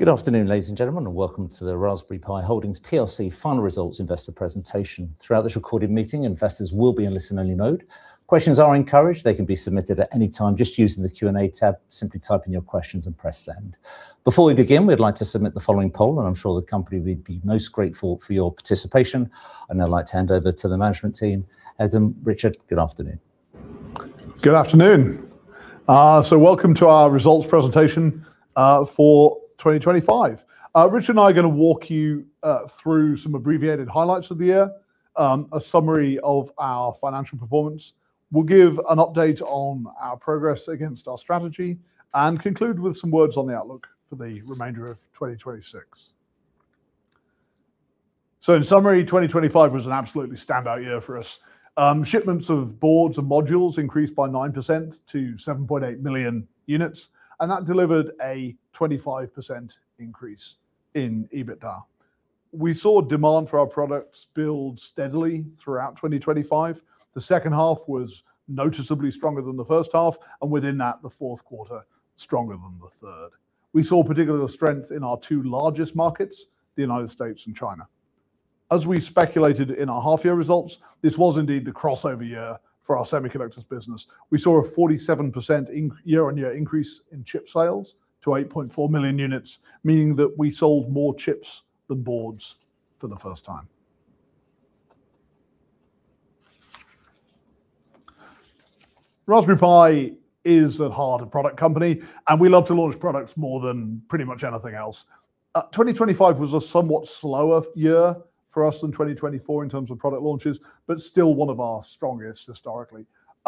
Good afternoon, ladies and gentlemen, and welcome to the Raspberry Pi Holdings plc final results investor presentation. Throughout this recorded meeting, investors will be in listen only mode. Questions are encouraged. They can be submitted at any time just using the Q&A tab. Simply type in your questions and press send. Before we begin, we'd like to submit the following poll, and I'm sure the company would be most grateful for your participation. I'd like to hand over to the management team. Eben, Richard, good afternoon. Good afternoon. So welcome to our results presentation for 2025. Richard and I are gonna walk you through some abbreviated highlights of the year, a summary of our financial performance. We'll give an update on our progress against our strategy and conclude with some words on the outlook for the remainder of 2026. In summary, 2025 was an absolutely standout year for us. Shipments of boards and modules increased by 9% to 7.8 million units, and that delivered a 25% increase in EBITDA. We saw demand for our products build steadily throughout 2025. The second half was noticeably stronger than the first half, and within that, the fourth quarter stronger than the third. We saw particular strength in our two largest markets, the United States and China. As we speculated in our half year results, this was indeed the crossover year for our semiconductors business. We saw a 47% year-over-year increase in chip sales to 8.4 million units, meaning that we sold more chips than boards for the first time. Raspberry Pi is at heart a product company, and we love to launch products more than pretty much anything else. 2025 was a somewhat slower year for us than 2024 in terms of product launches, but still one of our strongest historically.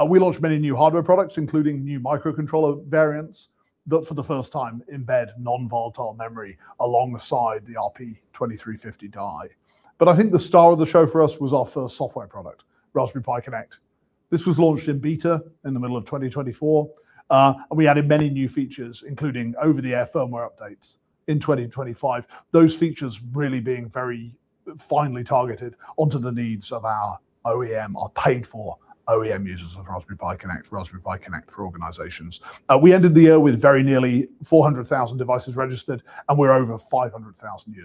We launched many new hardware products, including new microcontroller variants that for the first time embed non-volatile memory alongside the RP2350 die. I think the star of the show for us was our first software product, Raspberry Pi Connect. This was launched in beta in the middle of 2024, and we added many new features, including over-the-air firmware updates in 2025. Those features really being very finely targeted onto the needs of our OEM, our paid for OEM users of Raspberry Pi Connect, Raspberry Pi Connect for organizations. We ended the year with very nearly 400,000 devices registered, and we're over 500,000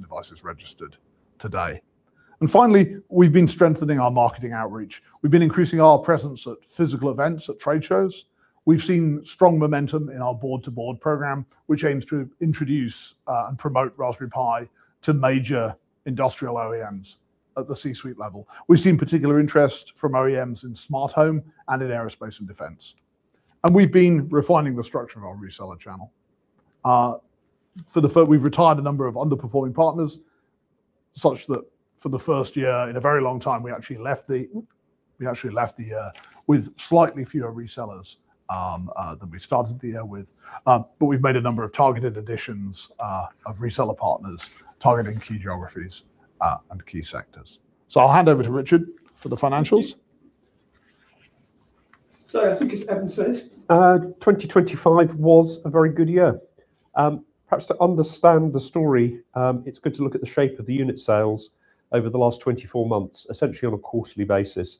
devices registered today. Finally, we've been strengthening our marketing outreach. We've been increasing our presence at physical events, at trade shows. We've seen strong momentum in our board-to-board program, which aims to introduce and promote Raspberry Pi to major industrial OEMs at the C-suite level. We've seen particular interest from OEMs in smart home and in aerospace and defense. We've been refining the structure of our reseller channel. We've retired a number of underperforming partners such that for the first year in a very long time, we actually left the year with slightly fewer resellers than we started the year with. But we've made a number of targeted additions of reseller partners targeting key geographies and key sectors. I'll hand over to Richard for the financials. I think as Eben said, 2025 was a very good year. Perhaps to understand the story, it's good to look at the shape of the unit sales over the last 24 months, essentially on a quarterly basis.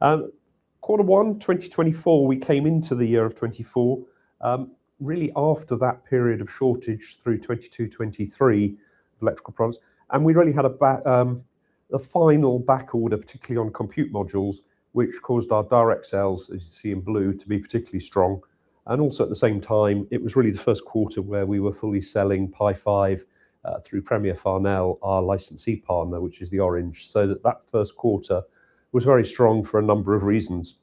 Quarter one 2024, we came into the year of 2024, really after that period of shortage through 2022, 2023 electrical products. We'd only had a back, a final back order, particularly on compute modules, which caused our direct sales, as you see in blue, to be particularly strong. Also at the same time, it was really the first quarter where we were fully selling Pi 5, through Premier Farnell, our licensee partner, which is the orange. That first quarter was very strong for a number of reasons.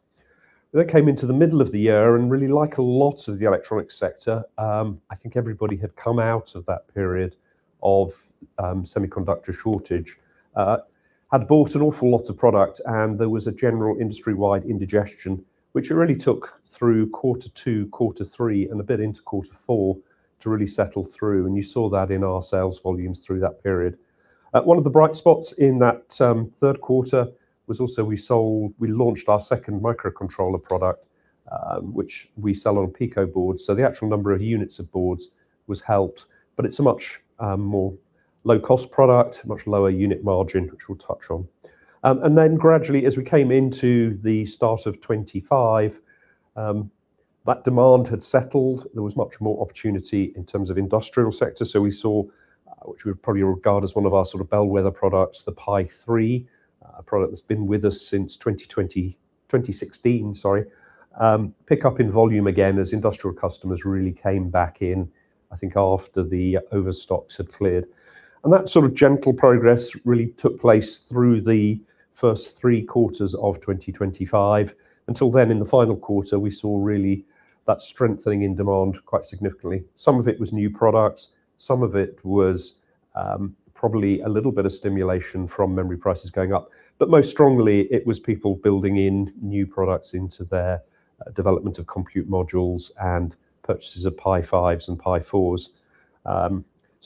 Came into the middle of the year and really like a lot of the electronics sector. I think everybody had come out of that period of semiconductor shortage, had bought an awful lot of product, and there was a general industry-wide indigestion, which it really took through quarter two, quarter three, and a bit into quarter four to really settle through. You saw that in our sales volumes through that period. One of the bright spots in that third quarter was also we launched our second microcontroller product, which we sell on Pico board. So the actual number of units of boards was helped, but it's a much more low-cost product, much lower unit margin, which we'll touch on. Gradually, as we came into the start of 2025, that demand had settled. There was much more opportunity in terms of industrial sector. We saw, which we would probably regard as one of our sort of bellwether products, the Pi 3, a product that's been with us since 2016, sorry, pick up in volume again as industrial customers really came back in, I think, after the overstocks had cleared. That sort of gentle progress really took place through the first three quarters of 2025. Until then, in the final quarter, we saw really that strengthening in demand quite significantly. Some of it was new products, some of it was, probably a little bit of stimulation from memory prices going up. Most strongly, it was people building in new products into their development of compute modules and purchases of Pi 5s and Pi 4s.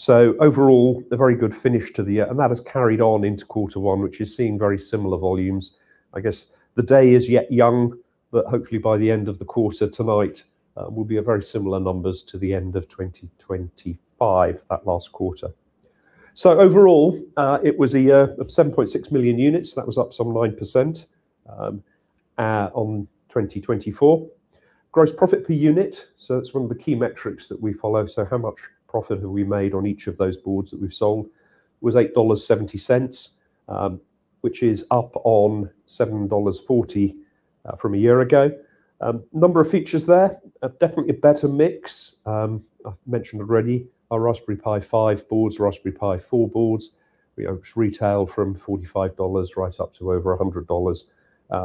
Overall, a very good finish to the year, and that has carried on into quarter one, which is seeing very similar volumes. I guess the day is yet young, but hopefully by the end of the quarter tonight, will be very similar numbers to the end of 2025, that last quarter. Overall, it was a year of 7.6 million units. That was up some 9% on 2024. Gross profit per unit, so that's one of the key metrics that we follow. How much profit have we made on each of those boards that we've sold was $8.70, which is up on $7.40 from a year ago. Number of factors there, a definitely better mix. I've mentioned already our Raspberry Pi 5 boards, Raspberry Pi 4 boards, which retail from $45 right up to over $100,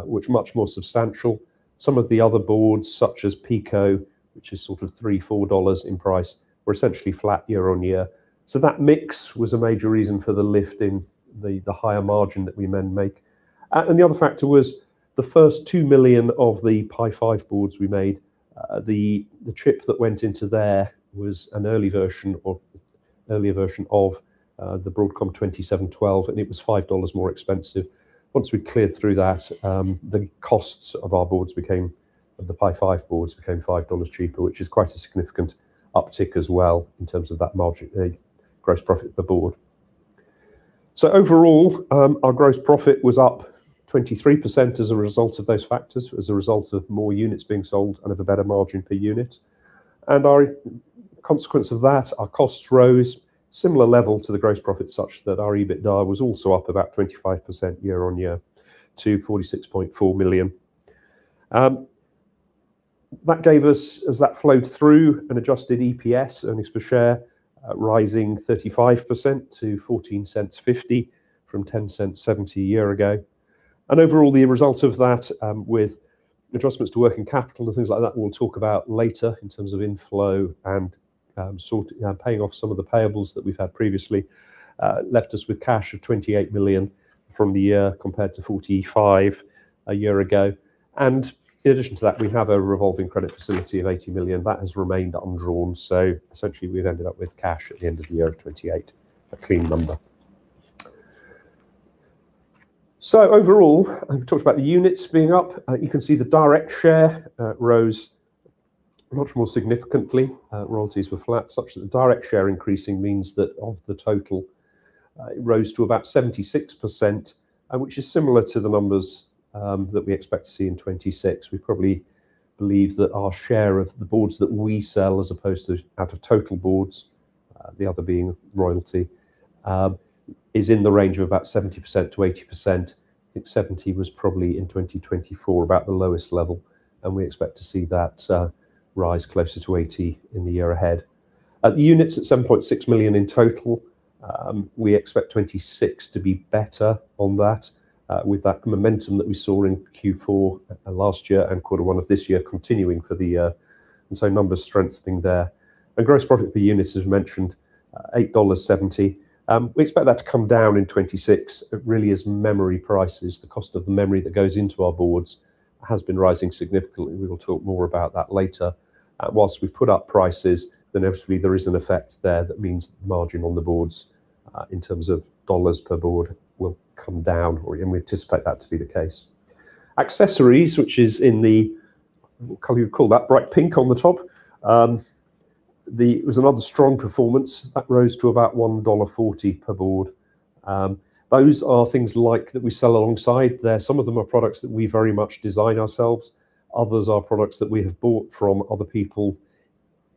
which much more substantial. Some of the other boards, such as Pico, which is sort of $3-$4 in price, were essentially flat year-over-year. That mix was a major reason for the lift in the higher margin that we then make. The other factor was the first 2 million of the Pi 5 boards we made, the chip that went into there was an early version or earlier version of the Broadcom BCM2712, and it was $5 more expensive. Once we cleared through that, the costs of our Pi 5 boards became $5 cheaper, which is quite a significant uptick as well in terms of that margin, gross profit per board. Overall, our gross profit was up 23% as a result of those factors, as a result of more units being sold and of a better margin per unit. As a consequence of that, our costs rose similar level to the gross profit such that our EBITDA was also up about 25% year-on-year to $46.4 million. That gave us, as that flowed through an adjusted EPS, earnings per share, rising 35% to $0.145 from $0.107 a year ago. Overall, the result of that, with adjustments to working capital and things like that, we'll talk about later in terms of inflow and, paying off some of the payables that we've had previously, left us with cash of 28 million from the year compared to 45 million a year ago. In addition to that, we have a revolving credit facility of 80 million that has remained undrawn. Essentially, we've ended up with cash at the end of the year of 28 million, a clean number. Overall, I've talked about the units being up. You can see the direct share rose much more significantly. Royalties were flat, such that the direct share increasing means that of the total, it rose to about 76%, which is similar to the numbers that we expect to see in 2026. We probably believe that our share of the boards that we sell as opposed to out of total boards, the other being royalty, is in the range of about 70%-80%. I think 70 was probably in 2024 about the lowest level, and we expect to see that rise closer to 80 in the year ahead. At the units at 7.6 million in total, we expect 2026 to be better on that, with that momentum that we saw in Q4 last year and quarter one of this year continuing for the year, and so numbers strengthening there. Gross profit per unit, as mentioned, $8.70. We expect that to come down in 2026. It really is memory prices. The cost of the memory that goes into our boards has been rising significantly. We will talk more about that later. While we've put up prices, then obviously there is an effect there that means margin on the boards, in terms of $ per board will come down, and we anticipate that to be the case. Accessories, which is in the bright pink on the top, it was another strong performance that rose to about $1.40 per board. Those are things like that we sell alongside there. Some of them are products that we very much design ourselves. Others are products that we have bought from other people.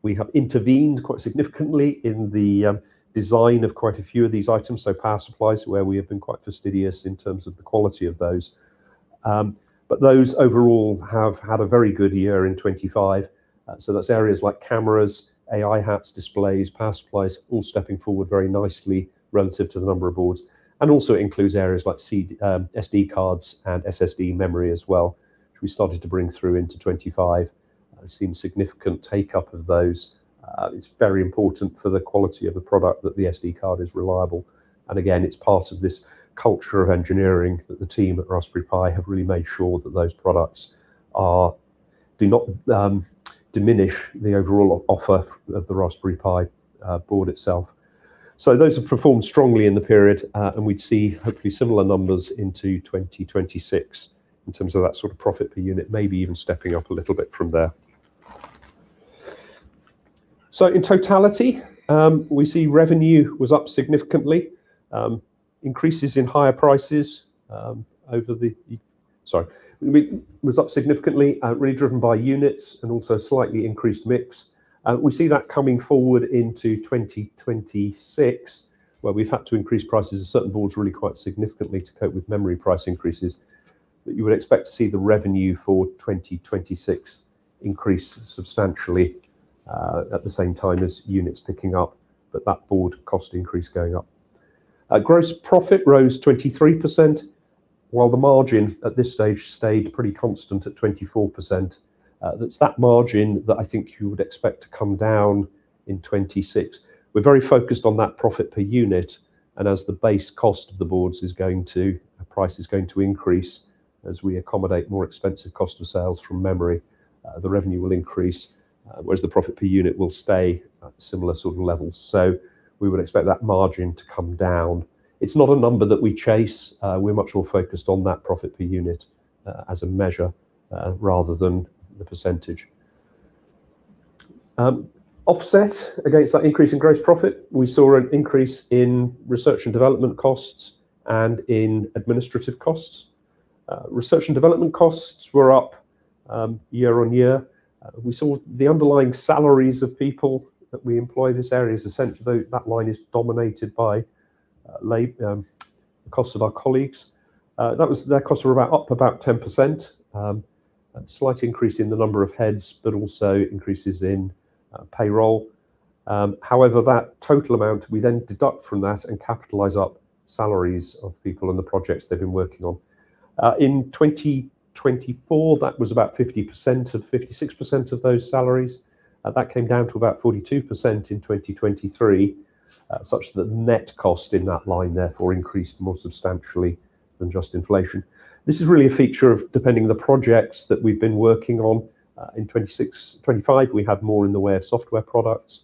We have intervened quite significantly in the design of quite a few of these items. So power supplies where we have been quite fastidious in terms of the quality of those. Those overall have had a very good year in 2025. So that's areas like cameras, AI HATs, displays, power supplies, all stepping forward very nicely relative to the number of boards. It also includes areas like SD cards and SSD memory as well, which we started to bring through into 2025. We've seen significant take-up of those. It's very important for the quality of the product that the SD card is reliable. Again, it's part of this culture of engineering that the team at Raspberry Pi have really made sure that those products do not diminish the overall offer of the Raspberry Pi board itself. Those have performed strongly in the period, and we'd see hopefully similar numbers into 2026 in terms of that sort of profit per unit, maybe even stepping up a little bit from there. In totality, we see revenue was up significantly, increases in higher prices, was up significantly, really driven by units and also slightly increased mix. We see that coming forward into 2026, where we've had to increase prices of certain boards really quite significantly to cope with memory price increases, that you would expect to see the revenue for 2026 increase substantially, at the same time as units picking up, but that board cost increase going up. Gross profit rose 23%, while the margin at this stage stayed pretty constant at 24%. That's that margin that I think you would expect to come down in 2026. We're very focused on that profit per unit, and as the price is going to increase as we accommodate more expensive cost of sales from memory, the revenue will increase, whereas the profit per unit will stay at similar sort of levels. We would expect that margin to come down. It's not a number that we chase. We're much more focused on that profit per unit as a measure rather than the percentage. Offset against that increase in gross profit, we saw an increase in research and development costs and in administrative costs. Research and development costs were up year-on-year. We saw the underlying salaries of people that we employ in this area. That line is dominated by costs of our colleagues. Their costs were up about 10%. A slight increase in the number of heads, but also increases in payroll. However, that total amount, we then deduct from that and capitalize up salaries of people on the projects they've been working on. In 2024, that was about 56% of those salaries. That came down to about 42% in 2023, such that net cost in that line therefore increased more substantially than just inflation. This is really a feature of depending on the projects that we've been working on. In 2025, we had more in the way of software products,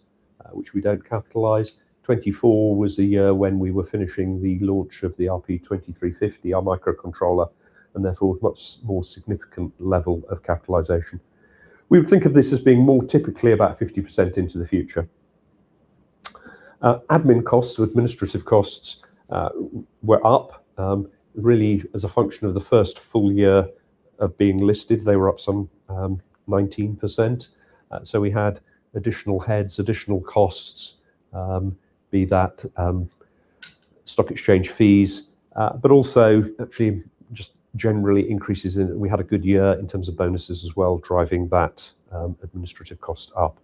which we don't capitalize. 2024 was the year when we were finishing the launch of the RP2350, our microcontroller, and therefore, much more significant level of capitalization. We would think of this as being more typically about 50% into the future. Admin costs or administrative costs were up, really as a function of the first full year of being listed. They were up some 19%. We had additional heads, additional costs, be that stock exchange fees, but also actually just generally increases. We had a good year in terms of bonuses as well, driving that administrative cost up.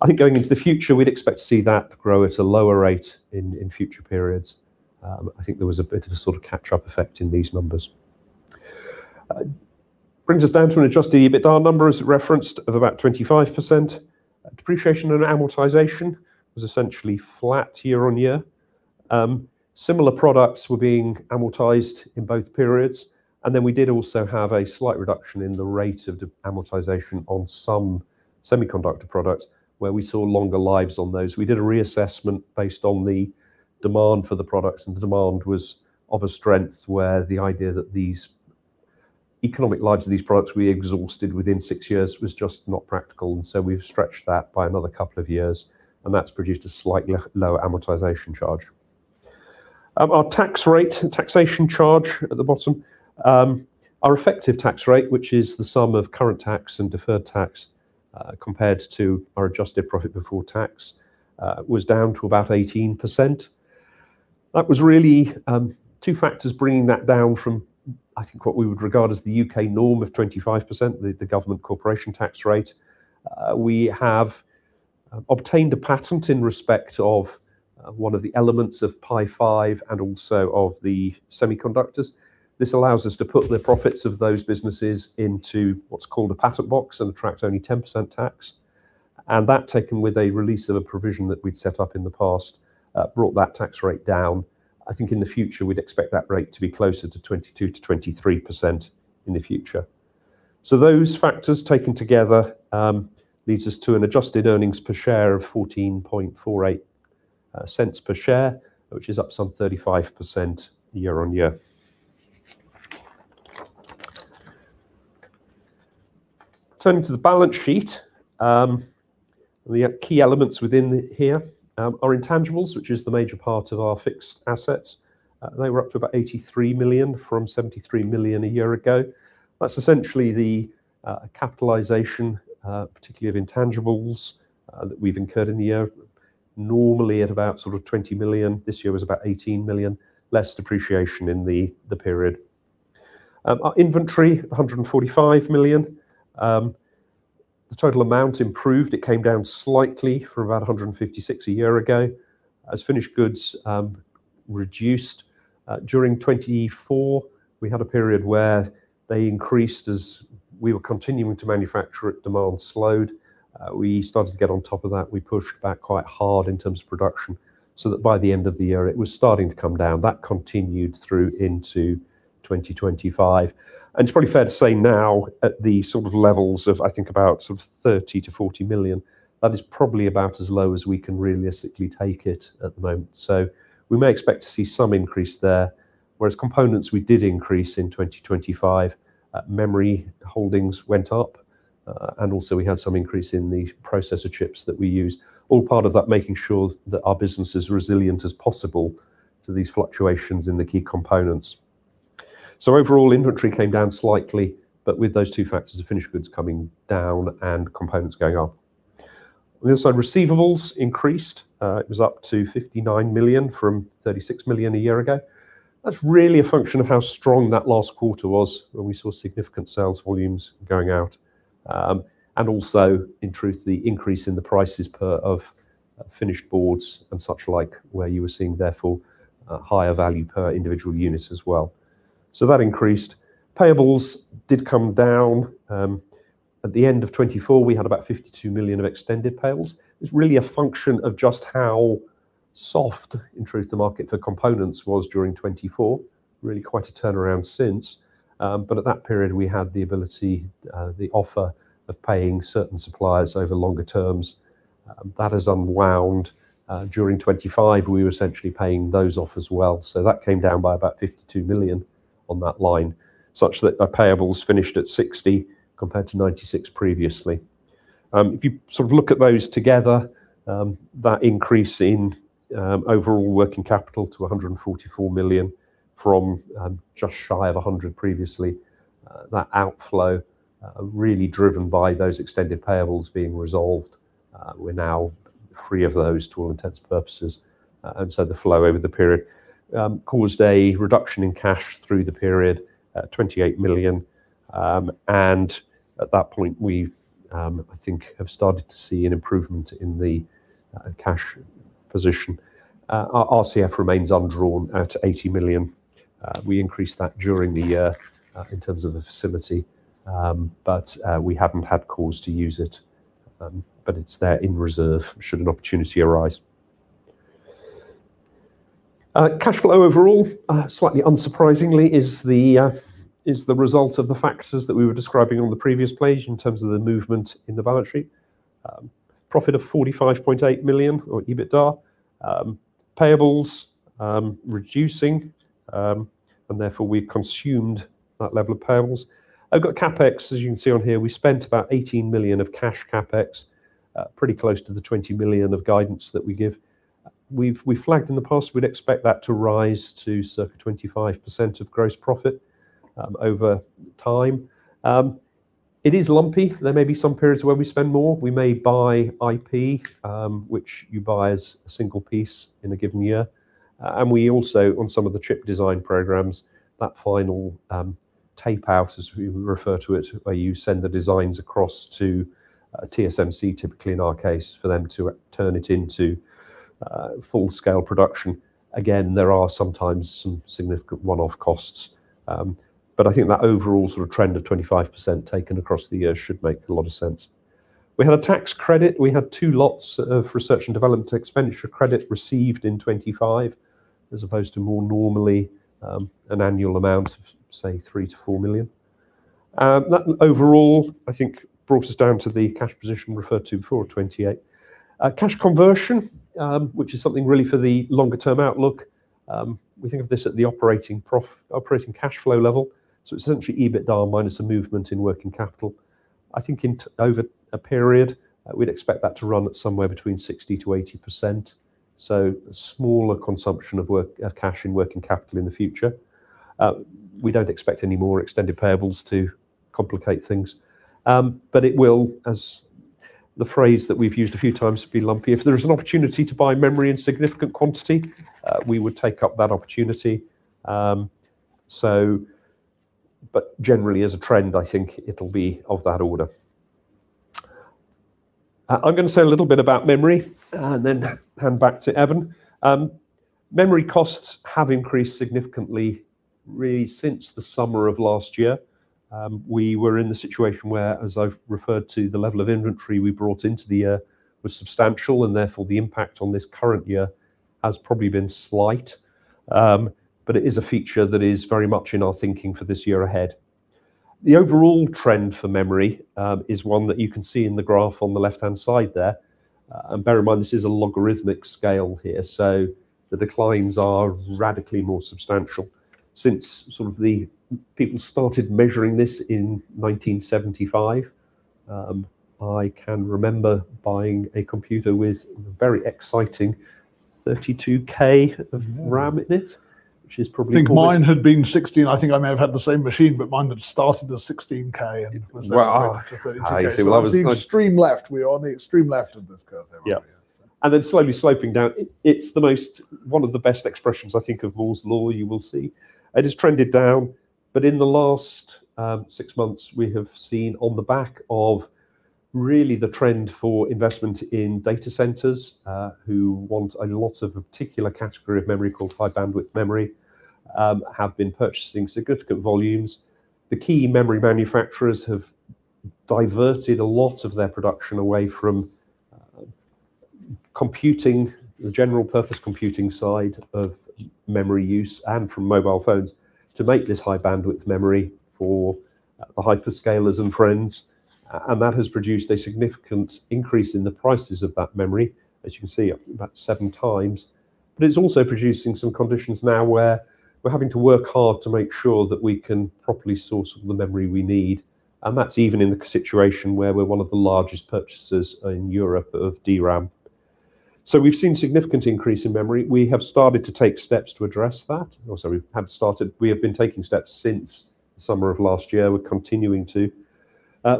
I think going into the future, we'd expect to see that grow at a lower rate in future periods. I think there was a bit of a sort of catch-up effect in these numbers. It brings us down to an Adjusted EBITDA number as referenced of about 25%. Depreciation and amortization was essentially flat year-on-year. Similar products were being amortized in both periods, and then we did also have a slight reduction in the rate of de-amortization on some semiconductor products where we saw longer lives on those. We did a reassessment based on the demand for the products, and the demand was of a strength where the idea that these economic lives of these products we exhausted within six years was just not practical. We've stretched that by another couple of years, and that's produced a slightly lower amortization charge. Our tax rate and taxation charge at the bottom. Our effective tax rate, which is the sum of current tax and deferred tax, compared to our adjusted profit before tax, was down to about 18%. That was really two factors bringing that down from, I think, what we would regard as the U.K. norm of 25%, the government corporation tax rate. We have obtained a patent in respect of one of the elements of Pi 5 and also of the semiconductors. This allows us to put the profits of those businesses into what's called a Patent Box and attract only 10% tax. That taken with a release of a provision that we'd set up in the past brought that tax rate down. I think in the future, we'd expect that rate to be closer to 22%-23% in the future. Those factors taken together, leads us to an adjusted earnings per share of $0.1448, which is up some 35% year-over-year. Turning to the balance sheet, the key elements within here are intangibles, which is the major part of our fixed assets. They were up to about $83 million from $73 million a year ago. That's essentially the capitalization, particularly of intangibles, that we've incurred in the year, normally at about sort of $20 million. This year was about $18 million. Less depreciation in the period. Our inventory, $145 million. The total amount improved. It came down slightly from about $156 a year ago as finished goods reduced. During 2024, we had a period where they increased as we were continuing to manufacture it, demand slowed. We started to get on top of that. We pushed back quite hard in terms of production so that by the end of the year it was starting to come down. That continued through into 2025. It's probably fair to say now at the sort of levels of, I think about sort of $30 million-$40 million, that is probably about as low as we can realistically take it at the moment. We may expect to see some increase there, whereas components we did increase in 2025. Memory holdings went up, and also we had some increase in the processor chips that we used. All part of that making sure that our business is resilient as possible to these fluctuations in the key components. Overall inventory came down slightly, but with those two factors of finished goods coming down and components going up. On the other side, receivables increased. It was up to $59 million from $36 million a year ago. That's really a function of how strong that last quarter was when we saw significant sales volumes going out. And also, in truth, the increase in the prices of finished boards and such like where you were seeing therefore a higher value per individual unit as well. That increased. Payables did come down. At the end of 2024, we had about $52 million of extended payables. It's really a function of just how soft, in truth, the market for components was during 2024. Really quite a turnaround since. At that period we had the ability, the offer of paying certain suppliers over longer terms. That has unwound. During 2025, we were essentially paying those off as well. That came down by about 52 million on that line, such that our payables finished at 60 million compared to 96 million previously. If you sort of look at those together, that increase in overall working capital to 144 million from just shy of 100 million previously, that outflow really driven by those extended payables being resolved. We're now free of those to all intents and purposes. The flow over the period caused a reduction in cash through the period at 28 million. At that point, we've I think have started to see an improvement in the cash position. Our RCF remains undrawn at 80 million. We increased that during the year in terms of the facility, but we haven't had cause to use it. It's there in reserve should an opportunity arise. Cash flow overall, slightly unsurprisingly, is the result of the factors that we were describing on the previous page in terms of the movement in the balance sheet. Profit of 45.8 million, or EBITDA. Payables reducing, and therefore we consumed that level of payables. We've got CapEx, as you can see on here. We spent about 18 million of cash CapEx, pretty close to the 20 million of guidance that we give. We've flagged in the past, we'd expect that to rise to circa 25% of gross profit over time. It is lumpy. There may be some periods where we spend more. We may buy IP, which you buy as a single piece in a given year. We also, on some of the chip design programs, that final tape-out, as we refer to it, where you send the designs across to TSMC, typically in our case, for them to turn it into full-scale production. Again, there are sometimes some significant one-off costs. I think that overall sort of trend of 25% taken across the years should make a lot of sense. We had a tax credit. We had two lots of research and development expenditure credit received in 2025, as opposed to more normally an annual amount of, say, 3 million-4 million. That overall, I think, brings us down to the cash position referred to before of 28. Cash conversion, which is something really for the longer-term outlook. We think of this at the operating cash flow level, so it's essentially EBITDA minus the movement in working capital. I think over a period, we'd expect that to run at somewhere between 60%-80%. A smaller consumption of cash and working capital in the future. We don't expect any more extended payables to complicate things. It will, as the phrase that we've used a few times, be lumpy. If there is an opportunity to buy memory in significant quantity, we would take up that opportunity. Generally as a trend, I think it'll be of that order. I'm gonna say a little bit about memory and then hand back to Eben. Memory costs have increased significantly really since the summer of last year. We were in the situation where, as I've referred to, the level of inventory we brought into the year was substantial, and therefore the impact on this current year has probably been slight. It is a feature that is very much in our thinking for this year ahead. The overall trend for memory is one that you can see in the graph on the left-hand side there. Bear in mind, this is a logarithmic scale here, so the declines are radically more substantial since sort of people started measuring this in 1975. I can remember buying a computer with the very exciting 32K of RAM in it, which is probably- I think mine had been 16. I think I may have had the same machine, but mine had started as 16K and was then went up to 32K. Wow. I see. Well, The extreme left. We are on the extreme left of this curve here, aren't we? Yeah. Yeah. Then slowly sloping down. It's one of the best expressions I think of Moore's Law you will see. It has trended down, but in the last six months, we have seen on the back of really the trend for investment in data centers, who want a lot of a particular category of memory called High Bandwidth Memory, have been purchasing significant volumes. The key memory manufacturers have diverted a lot of their production away from computing, the general purpose computing side of memory use and from mobile phones to make this High Bandwidth Memory for the hyperscalers and friends. And that has produced a significant increase in the prices of that memory, as you can see, up about seven times. It's also producing some conditions now where we're having to work hard to make sure that we can properly source all the memory we need, and that's even in the situation where we're one of the largest purchasers in Europe of DRAM. We've seen significant increase in memory. We have been taking steps since the summer of last year. We're continuing to.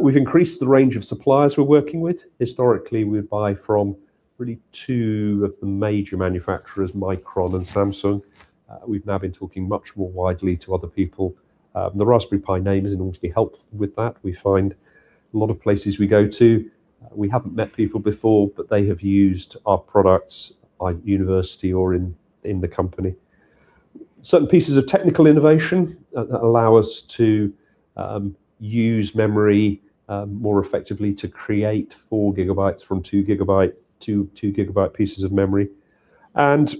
We've increased the range of suppliers we're working with. Historically, we'd buy from really two of the major manufacturers, Micron and Samsung. We've now been talking much more widely to other people. The Raspberry Pi name is enormously helpful with that. We find a lot of places we go to, we haven't met people before, but they have used our products, either university or in the company. Certain pieces of technical innovation that allow us to use memory more effectively to create four gigabytes from two gigabyte pieces of memory.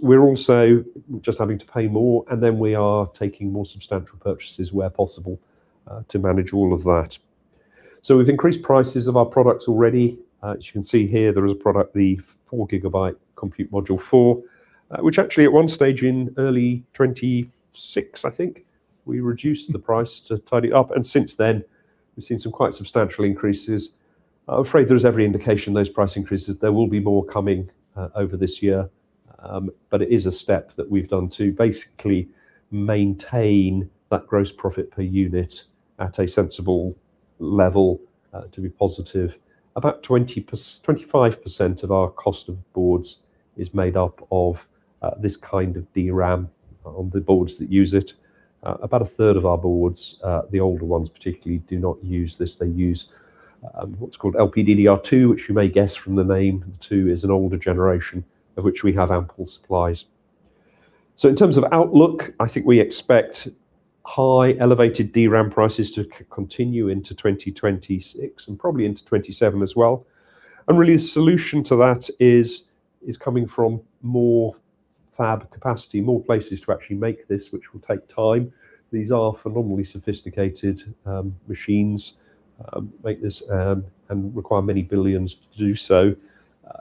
We're also just having to pay more, and then we are taking more substantial purchases where possible to manage all of that. We've increased prices of our products already. As you can see here, there is a product, the 4-gigabyte Compute Module 4, which actually at one stage in early 2026, I think, we reduced the price to tidy it up. Since then, we've seen some quite substantial increases. I'm afraid there is every indication those price increases. There will be more coming over this year. It is a step that we've done to basically maintain that gross profit per unit at a sensible level to be positive. About 25% of our cost of boards is made up of this kind of DRAM on the boards that use it. About a third of our boards, the older ones particularly, do not use this. They use what's called LPDDR2, which you may guess from the name, the two is an older generation of which we have ample supplies. In terms of outlook, I think we expect highly elevated DRAM prices to continue into 2026 and probably into 2027 as well. Really a solution to that is coming from more fab capacity, more places to actually make this, which will take time. These are phenomenally sophisticated machines make this and require many billions to do so.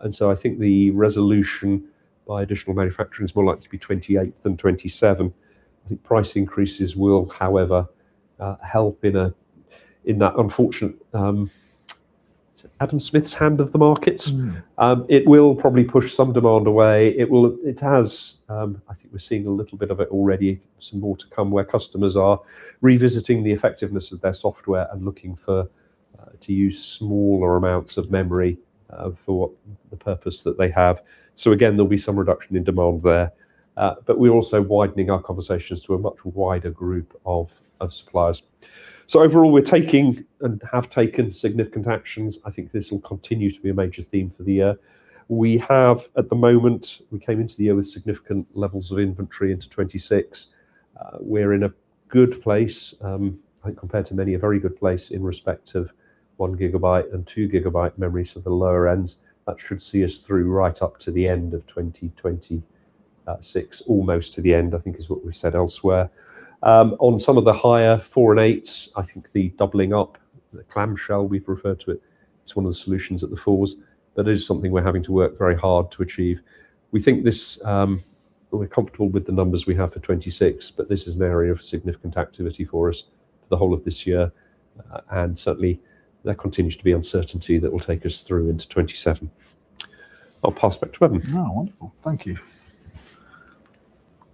I think the resolution by additional manufacturers will likely be 2028 than 2027. The price increases will, however, help in that unfortunate Adam Smith's hand of the markets. It will probably push some demand away. It has, I think we're seeing a little bit of it already, some more to come where customers are revisiting the effectiveness of their software and looking for to use smaller amounts of memory for the purpose that they have. Again, there'll be some reduction in demand there. But we're also widening our conversations to a much wider group of suppliers. Overall, we're taking and have taken significant actions. I think this will continue to be a major theme for the year. We have at the moment, we came into the year with significant levels of inventory into 2026. We're in a good place, I think compared to many, a very good place in respect of 1 gigabyte and 2 gigabyte memory, so the lower ends. That should see us through right up to the end of 2026, almost to the end, I think is what we've said elsewhere. On some of the higher 4 and 8s, I think the doubling up, the clamshell, we've referred to it's one of the solutions at the 4s. That is something we're having to work very hard to achieve. We think this, we're comfortable with the numbers we have for 2026, but this is an area of significant activity for us for the whole of this year. Certainly, there continues to be uncertainty that will take us through into 2027. I'll pass back to Eben. Oh, wonderful. Thank you.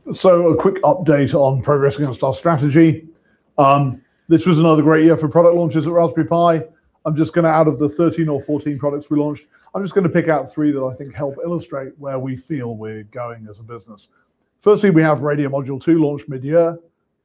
A quick update on progress against our strategy. This was another great year for product launches at Raspberry Pi. Out of the 13 or 14 products we launched, I'm just gonna pick out three that I think help illustrate where we feel we're going as a business. Firstly, we have Radio Module 2 launched mid-year.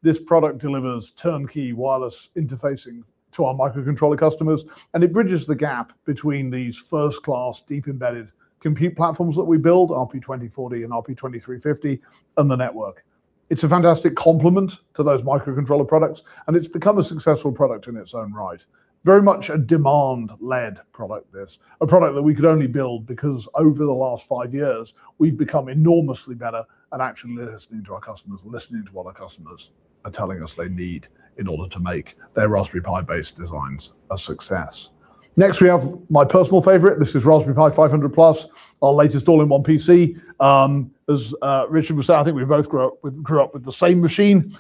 This product delivers turnkey wireless interfacing to our microcontroller customers, and it bridges the gap between these first-class deep embedded compute platforms that we build, RP2040 and RP2350, and the network. It's a fantastic complement to those microcontroller products, and it's become a successful product in its own right. Very much a demand-led product, this. A product that we could only build because over the last five years, we've become enormously better at actually listening to our customers, listening to what our customers are telling us they need in order to make their Raspberry Pi-based designs a success. Next, we have my personal favorite. This is Raspberry Pi Five Hundred Plus, our latest all-in-one PC. As Richard was saying, I think we both grew up with the same machine.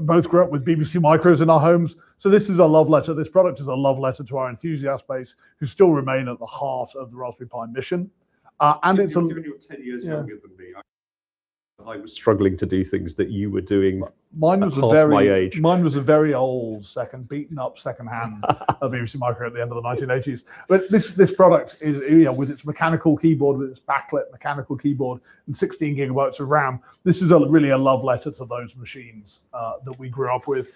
Both grew up with BBC Micros in our homes. This is a love letter. This product is a love letter to our enthusiast base who still remain at the heart of the Raspberry Pi mission. It's on- Given you're 10 years younger than me, I was struggling to do things that you were doing at half my age. Mine was a very old, beaten up second-hand BBC Micro at the end of the 1980s. This product is, you know, with its mechanical keyboard, with its back lit mechanical keyboard and 16 gigabytes of RAM, this is really a love letter to those machines that we grew up with.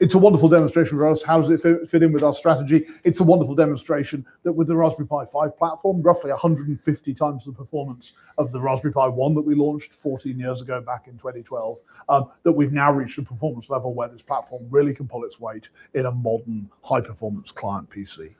It's a wonderful demonstration for us. How does it fit in with our strategy? It's a wonderful demonstration that with the Raspberry Pi 5 platform, roughly 150 times the performance of the Raspberry Pi 1 that we launched 14 years ago back in 2012, that we've now reached a performance level where this platform really can pull its weight in a modern high-performance client PC.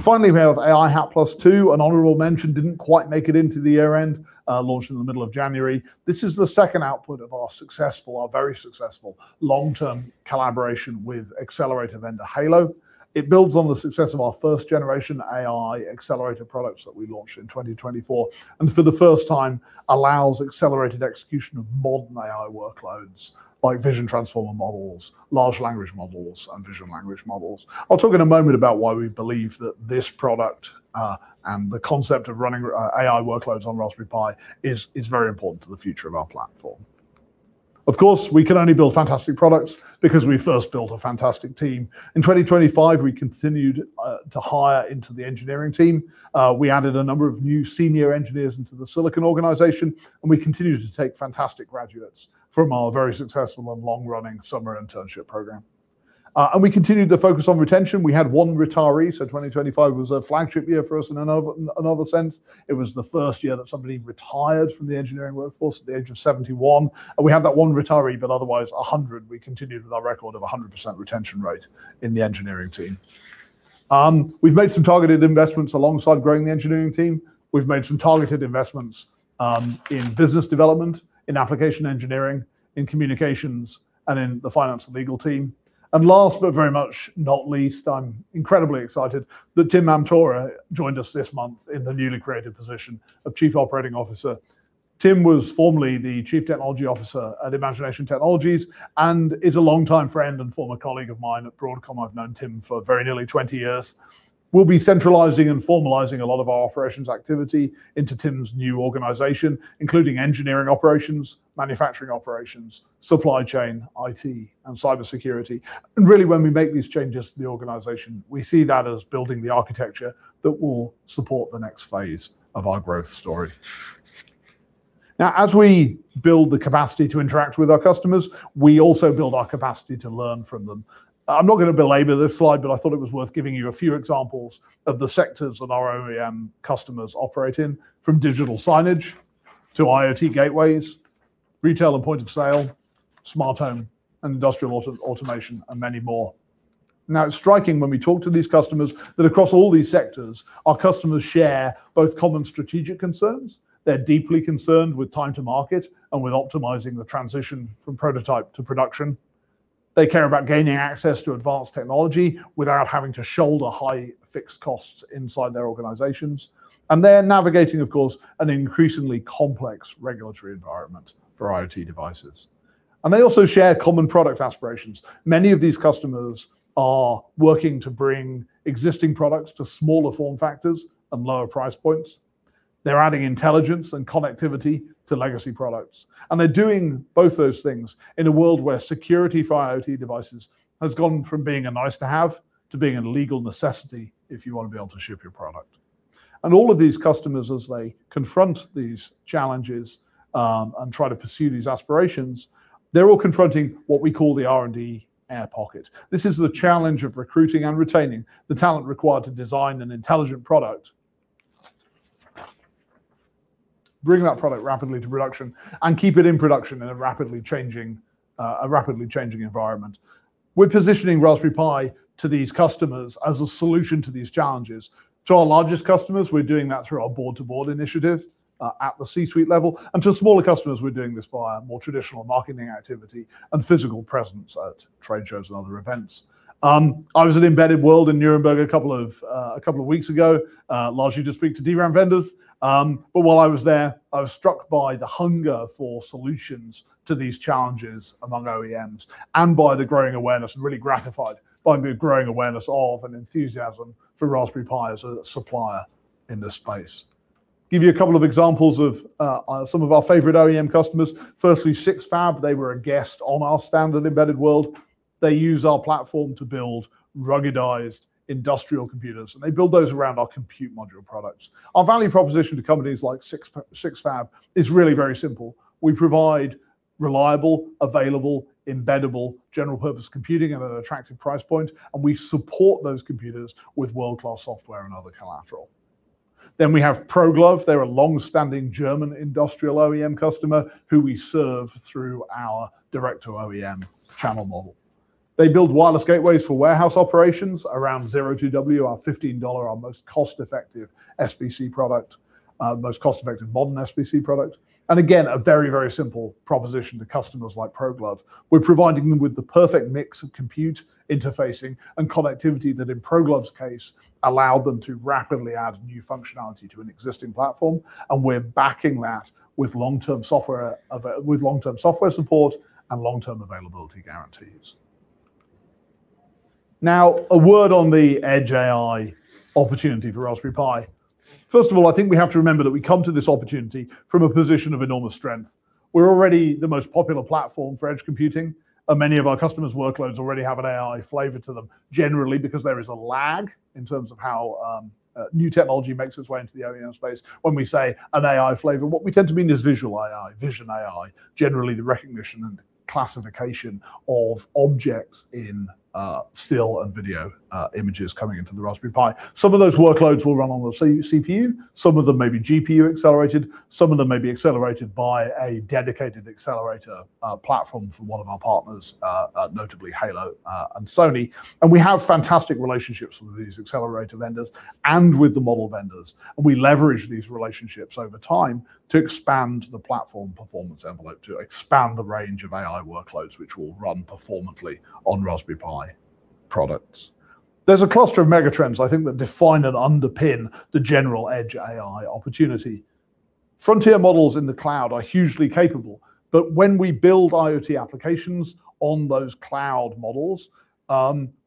Finally, we have AI HAT+ 2, an honorable mention, didn't quite make it into the year-end, launched in the middle of January. This is the second output of our very successful long-term collaboration with accelerator vendor Hailo. It builds on the success of our first generation AI accelerator products that we launched in 2024, and for the first time allows accelerated execution of modern AI workloads like vision transformer models, large language models, and vision language models. I'll talk in a moment about why we believe that this product and the concept of running AI workloads on Raspberry Pi is very important to the future of our platform. Of course, we can only build fantastic products because we first built a fantastic team. In 2025, we continued to hire into the engineering team. We added a number of new senior engineers into the silicon organization, and we continued to take fantastic graduates from our very successful and long-running summer internship program. We continued to focus on retention. We had one retiree, 2025 was a flagship year for us in another sense. It was the first year that somebody retired from the engineering workforce at the age of 71. We had that one retiree, but otherwise we continued with our record of a 100% retention rate in the engineering team. We've made some targeted investments alongside growing the engineering team. We've made some targeted investments in business development, in application engineering, in communications, and in the finance and legal team. Last but very much not least, I'm incredibly excited that Tim Mamtora joined us this month in the newly created position of Chief Operating Officer. Tim was formerly the Chief Technology Officer at Imagination Technologies and is a longtime friend and former colleague of mine at Broadcom. I've known Tim for very nearly 20 years. We'll be centralizing and formalizing a lot of our operations activity into Tim's new organization, including engineering operations, manufacturing operations, supply chain, IT, and cybersecurity. Really when we make these changes to the organization, we see that as building the architecture that will support the next phase of our growth story. Now, as we build the capacity to interact with our customers, we also build our capacity to learn from them. I'm not gonna belabor this slide, but I thought it was worth giving you a few examples of the sectors that our OEM customers operate in, from digital signage to IoT gateways, retail and point of sale, smart home, and industrial automation, and many more. Now it's striking when we talk to these customers that across all these sectors, our customers share both common strategic concerns. They're deeply concerned with time to market and with optimizing the transition from prototype to production. They care about gaining access to advanced technology without having to shoulder high fixed costs inside their organizations. They're navigating, of course, an increasingly complex regulatory environment for IoT devices. They also share common product aspirations. Many of these customers are working to bring existing products to smaller form factors and lower price points. They're adding intelligence and connectivity to legacy products. They're doing both those things in a world where security for IoT devices has gone from being a nice to have to being a legal necessity if you wanna be able to ship your product. All of these customers, as they confront these challenges, and try to pursue these aspirations, they're all confronting what we call the R&D air pocket. This is the challenge of recruiting and retaining the talent required to design an intelligent product, bring that product rapidly to production, and keep it in production in a rapidly changing environment. We're positioning Raspberry Pi to these customers as a solution to these challenges. To our largest customers, we're doing that through our board-to-board initiative, at the C-suite level. To smaller customers, we're doing this via more traditional marketing activity and physical presence at trade shows and other events. I was at Embedded World in Nuremberg a couple of weeks ago, largely to speak to DRAM vendors. While I was there, I was struck by the hunger for solutions to these challenges among OEMs and really gratified by the growing awareness of and enthusiasm for Raspberry Pi as a supplier in this space. Give you a couple of examples of some of our favorite OEM customers. Firstly, Sixfab, they were a guest on our stand at Embedded World. They use our platform to build ruggedized industrial computers, and they build those around our compute module products. Our value proposition to companies like Sixfab is really very simple. We provide reliable, available, embeddable general purpose computing at an attractive price point, and we support those computers with world-class software and other collateral. We have ProGlove. They're a long-standing German industrial OEM customer who we serve through our direct-to-OEM channel model. They build wireless gateways for warehouse operations around Zero 2 W, our $15, our most cost-effective SBC product, most cost-effective modern SBC product. Again, a very, very simple proposition to customers like ProGlove. We're providing them with the perfect mix of compute, interfacing, and connectivity that, in ProGlove's case, allowed them to rapidly add new functionality to an existing platform, and we're backing that with long-term software support and long-term availability guarantees. Now, a word on the Edge AI opportunity for Raspberry Pi. First of all, I think we have to remember that we come to this opportunity from a position of enormous strength. We're already the most popular platform for edge computing. Many of our customers' workloads already have an AI flavor to them, generally because there is a lag in terms of how new technology makes its way into the OEM space. When we say an AI flavor, what we tend to mean is visual AI, vision AI, generally the recognition and classification of objects in still and video images coming into the Raspberry Pi. Some of those workloads will run on the CPU, some of them may be GPU accelerated, some of them may be accelerated by a dedicated accelerator platform from one of our partners, notably Hailo, and Sony. We have fantastic relationships with these accelerator vendors and with the model vendors, and we leverage these relationships over time to expand the platform performance envelope, to expand the range of AI workloads which will run performantly on Raspberry Pi products. There's a cluster of mega trends I think that define and underpin the general Edge AI opportunity. Frontier models in the cloud are hugely capable, but when we build IoT applications on those cloud models,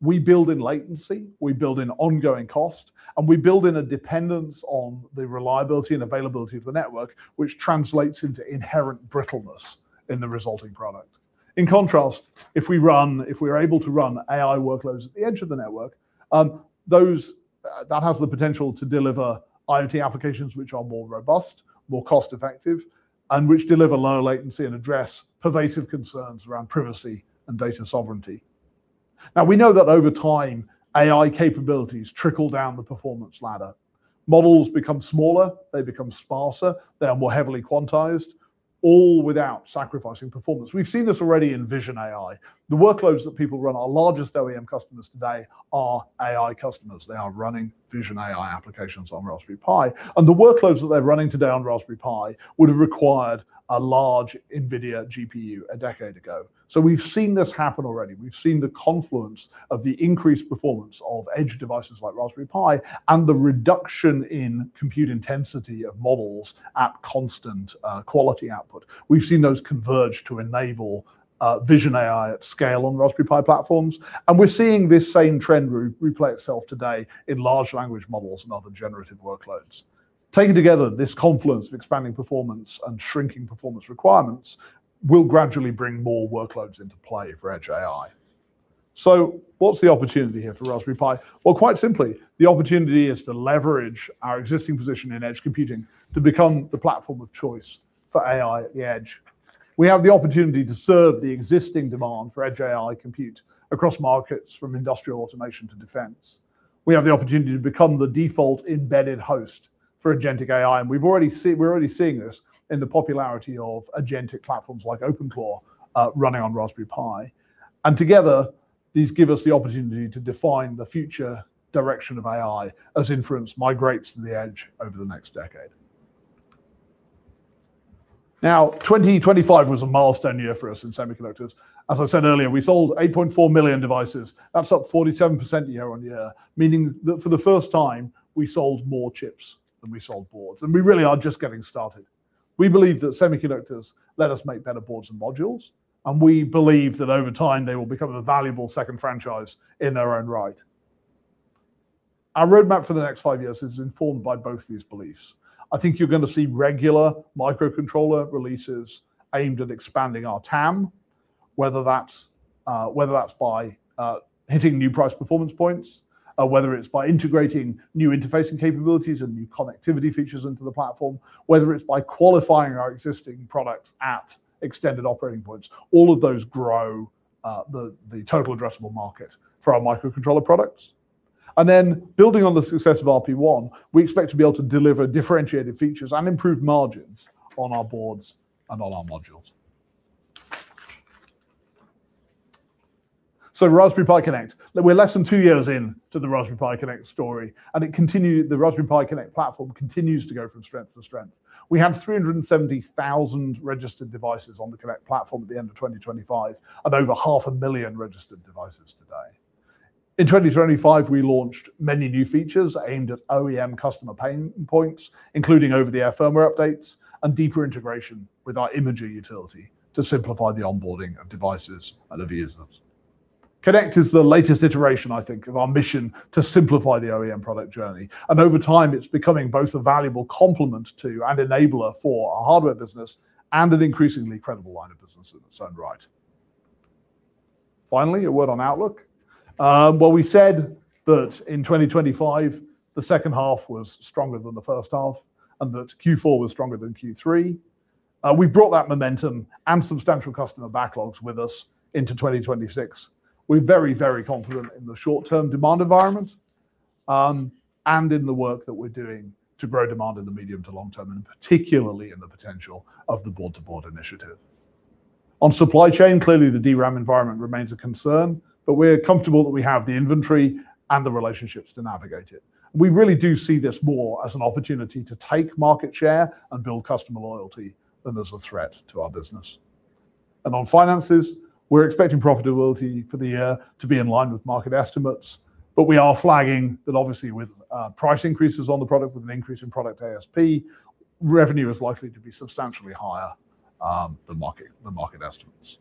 we build in latency, we build in ongoing cost, and we build in a dependence on the reliability and availability of the network, which translates into inherent brittleness in the resulting product. In contrast, if we're able to run AI workloads at the edge of the network, that has the potential to deliver IoT applications which are more robust, more cost-effective, and which deliver low latency and address pervasive concerns around privacy and data sovereignty. Now, we know that over time, AI capabilities trickle down the performance ladder. Models become smaller, they become sparser, they are more heavily quantized, all without sacrificing performance. We've seen this already in vision AI. The workloads that people run, our largest OEM customers today are AI customers. They are running vision AI applications on Raspberry Pi. The workloads that they're running today on Raspberry Pi would have required a large Nvidia GPU a decade ago. We've seen this happen already. We've seen the confluence of the increased performance of edge devices like Raspberry Pi and the reduction in compute intensity of models at constant quality output. We've seen those converge to enable vision AI at scale on Raspberry Pi platforms, and we're seeing this same trend replay itself today in large language models and other generative workloads. Taken together, this confluence of expanding performance and shrinking performance requirements will gradually bring more workloads into play for edge AI. What's the opportunity here for Raspberry Pi? Well, quite simply, the opportunity is to leverage our existing position in edge computing to become the platform of choice for AI at the edge. We have the opportunity to serve the existing demand for edge AI compute across markets from industrial automation to defense. We have the opportunity to become the default embedded host for agentic AI, and we're already seeing this in the popularity of agentic platforms like OpenClaw running on Raspberry Pi. Together, these give us the opportunity to define the future direction of AI as inference migrates to the edge over the next decade. 2025 was a milestone year for us in semiconductors. As I said earlier, we sold 8.4 million devices. That's up 47% year-on-year, meaning that for the first time, we sold more chips than we sold boards. We really are just getting started. We believe that semiconductors let us make better boards and modules, and we believe that over time, they will become a valuable second franchise in their own right. Our roadmap for the next five years is informed by both these beliefs. I think you're gonna see regular microcontroller releases aimed at expanding our TAM, whether that's by hitting new price performance points, whether it's by integrating new interfacing capabilities and new connectivity features into the platform, whether it's by qualifying our existing products at extended operating points. All of those grow the total addressable market for our microcontroller products. Building on the success of RP1, we expect to be able to deliver differentiated features and improved margins on our boards and on our modules. Raspberry Pi Connect. We're less than two years in to the Raspberry Pi Connect story, and the Raspberry Pi Connect platform continues to go from strength to strength. We have 370,000 registered devices on the Connect platform at the end of 2025, and over 500,000 registered devices today. In 2025, we launched many new features aimed at OEM customer pain points, including over-the-air firmware updates and deeper integration with our imager utility to simplify the onboarding of devices and AVIs. Connect is the latest iteration, I think, of our mission to simplify the OEM product journey. Over time, it's becoming both a valuable complement to and enabler for our hardware business and an increasingly credible line of business in its own right. Finally, a word on Outlook. We said that in 2025, the second half was stronger than the first half and that Q4 was stronger than Q3. We brought that momentum and substantial customer backlogs with us into 2026. We're very, very confident in the short-term demand environment, and in the work that we're doing to grow demand in the medium to long term, and particularly in the potential of the board-to-board initiative. On supply chain, clearly the DRAM environment remains a concern, but we're comfortable that we have the inventory and the relationships to navigate it. We really do see this more as an opportunity to take market share and build customer loyalty than as a threat to our business. On finances, we're expecting profitability for the year to be in line with market estimates, but we are flagging that obviously with price increases on the product, with an increase in product ASP, revenue is likely to be substantially higher than market estimates.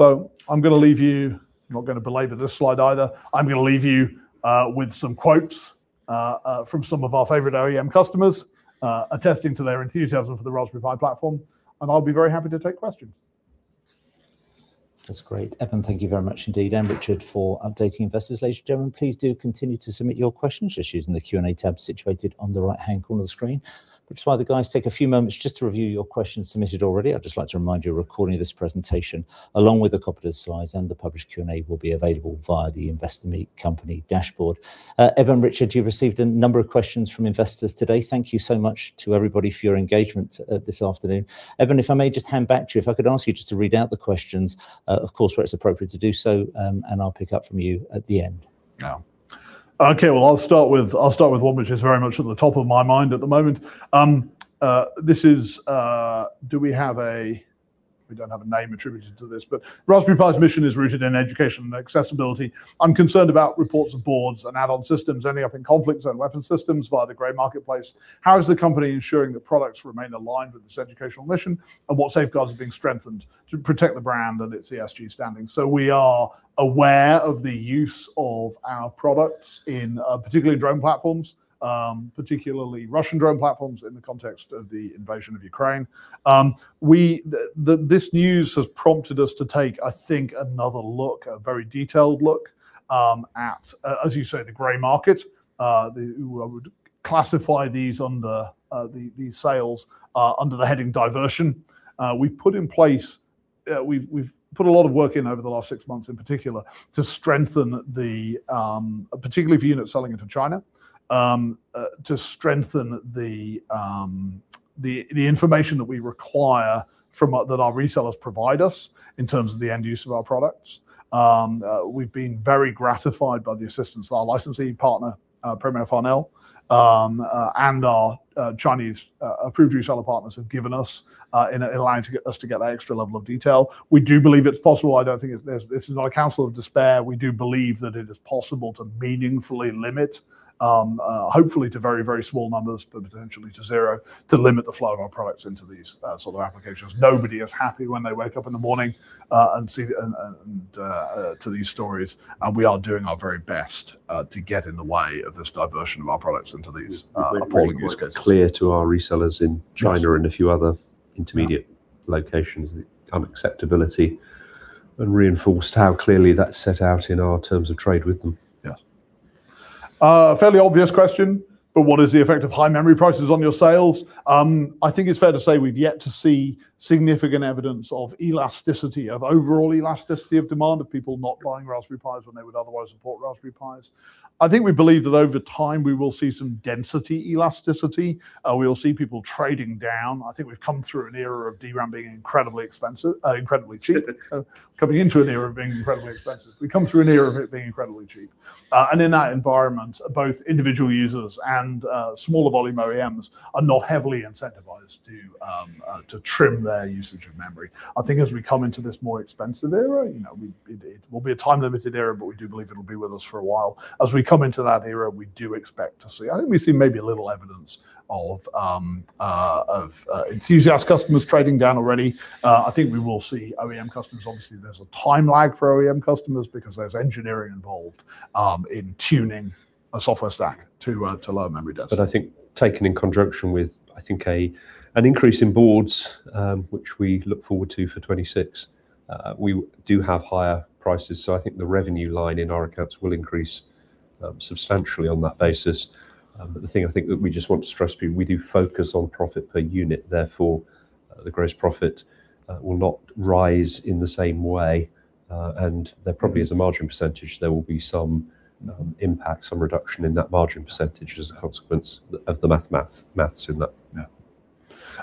I'm gonna leave you, not gonna belabor this slide either. I'm gonna leave you with some quotes from some of our favorite OEM customers attesting to their enthusiasm for the Raspberry Pi platform, and I'll be very happy to take questions. That's great. Eben, thank you very much indeed, and Richard for updating investors. Ladies and gentlemen, please do continue to submit your questions just using the Q&A tab situated on the right-hand corner of the screen. Just while the guys take a few moments just to review your questions submitted already, I'd just like to remind you a recording of this presentation, along with a copy of the slides and the published Q&A, will be available via the Investor Meet Company dashboard. Eben, Richard, you've received a number of questions from investors today. Thank you so much to everybody for your engagement this afternoon. Eben, if I may just hand back to you, if I could ask you just to read out the questions, of course, where it's appropriate to do so, and I'll pick up from you at the end. Okay, well, I'll start with one which is very much at the top of my mind at the moment. We don't have a name attributed to this, but Raspberry Pi's mission is rooted in education and accessibility. I'm concerned about reports of boards and add-on systems ending up in conflicts and weapon systems via the gray marketplace. How is the company ensuring the products remain aligned with this educational mission, and what safeguards are being strengthened to protect the brand and its ESG standing? We are aware of the use of our products in particularly Russian drone platforms in the context of the invasion of Ukraine. This news has prompted us to take, I think, another look, a very detailed look at, as you say, the gray market. We would classify these under these sales under the heading diversion. We've put a lot of work in over the last six months in particular to strengthen, particularly for units selling into China, the information that our resellers provide us in terms of the end use of our products. We've been very gratified by the assistance that our licensee partner, Premier Farnell, and our Chinese approved reseller partners have given us in allowing us to get that extra level of detail. We do believe it's possible. I don't think this is a counsel of despair. We do believe that it is possible to meaningfully limit, hopefully to very, very small numbers, but potentially to zero, to limit the flow of our products into these sort of applications. Nobody is happy when they wake up in the morning and see these stories, and we are doing our very best to get in the way of this diversion of our products into these appalling use cases. We've made it really quite clear to our resellers in China. Yes ...and a few other intermediate- Yeah Highlights the unacceptability and reinforced how clearly that's set out in our terms of trade with them. Yes. Fairly obvious question, but what is the effect of high memory prices on your sales? I think it's fair to say we've yet to see significant evidence of elasticity, of overall elasticity of demand of people not buying Raspberry Pis when they would otherwise support Raspberry Pis. I think we believe that over time we will see some density elasticity. We will see people trading down. I think we've come through an era of DRAM being incredibly expensive, incredibly cheap, coming into an era of being incredibly expensive. We come through an era of it being incredibly cheap. In that environment, both individual users and smaller volume OEMs are not heavily incentivized to trim their usage of memory. I think as we come into this more expensive era, you know, it will be a time-limited era, but we do believe it'll be with us for a while. As we come into that era, we do expect to see. I think we've seen maybe a little evidence of enthusiast customers trading down already. I think we will see OEM customers. Obviously, there's a time lag for OEM customers because there's engineering involved in tuning a software stack to lower memory density. I think taken in conjunction with an increase in boards, which we look forward to for 2026, we do have higher prices. I think the revenue line in our accounts will increase substantially on that basis. The thing I think that we just want to stress to people, we do focus on profit per unit, therefore the gross profit will not rise in the same way. There probably is a margin percentage. There will be some impact, some reduction in that margin percentage as a consequence of the maths in that.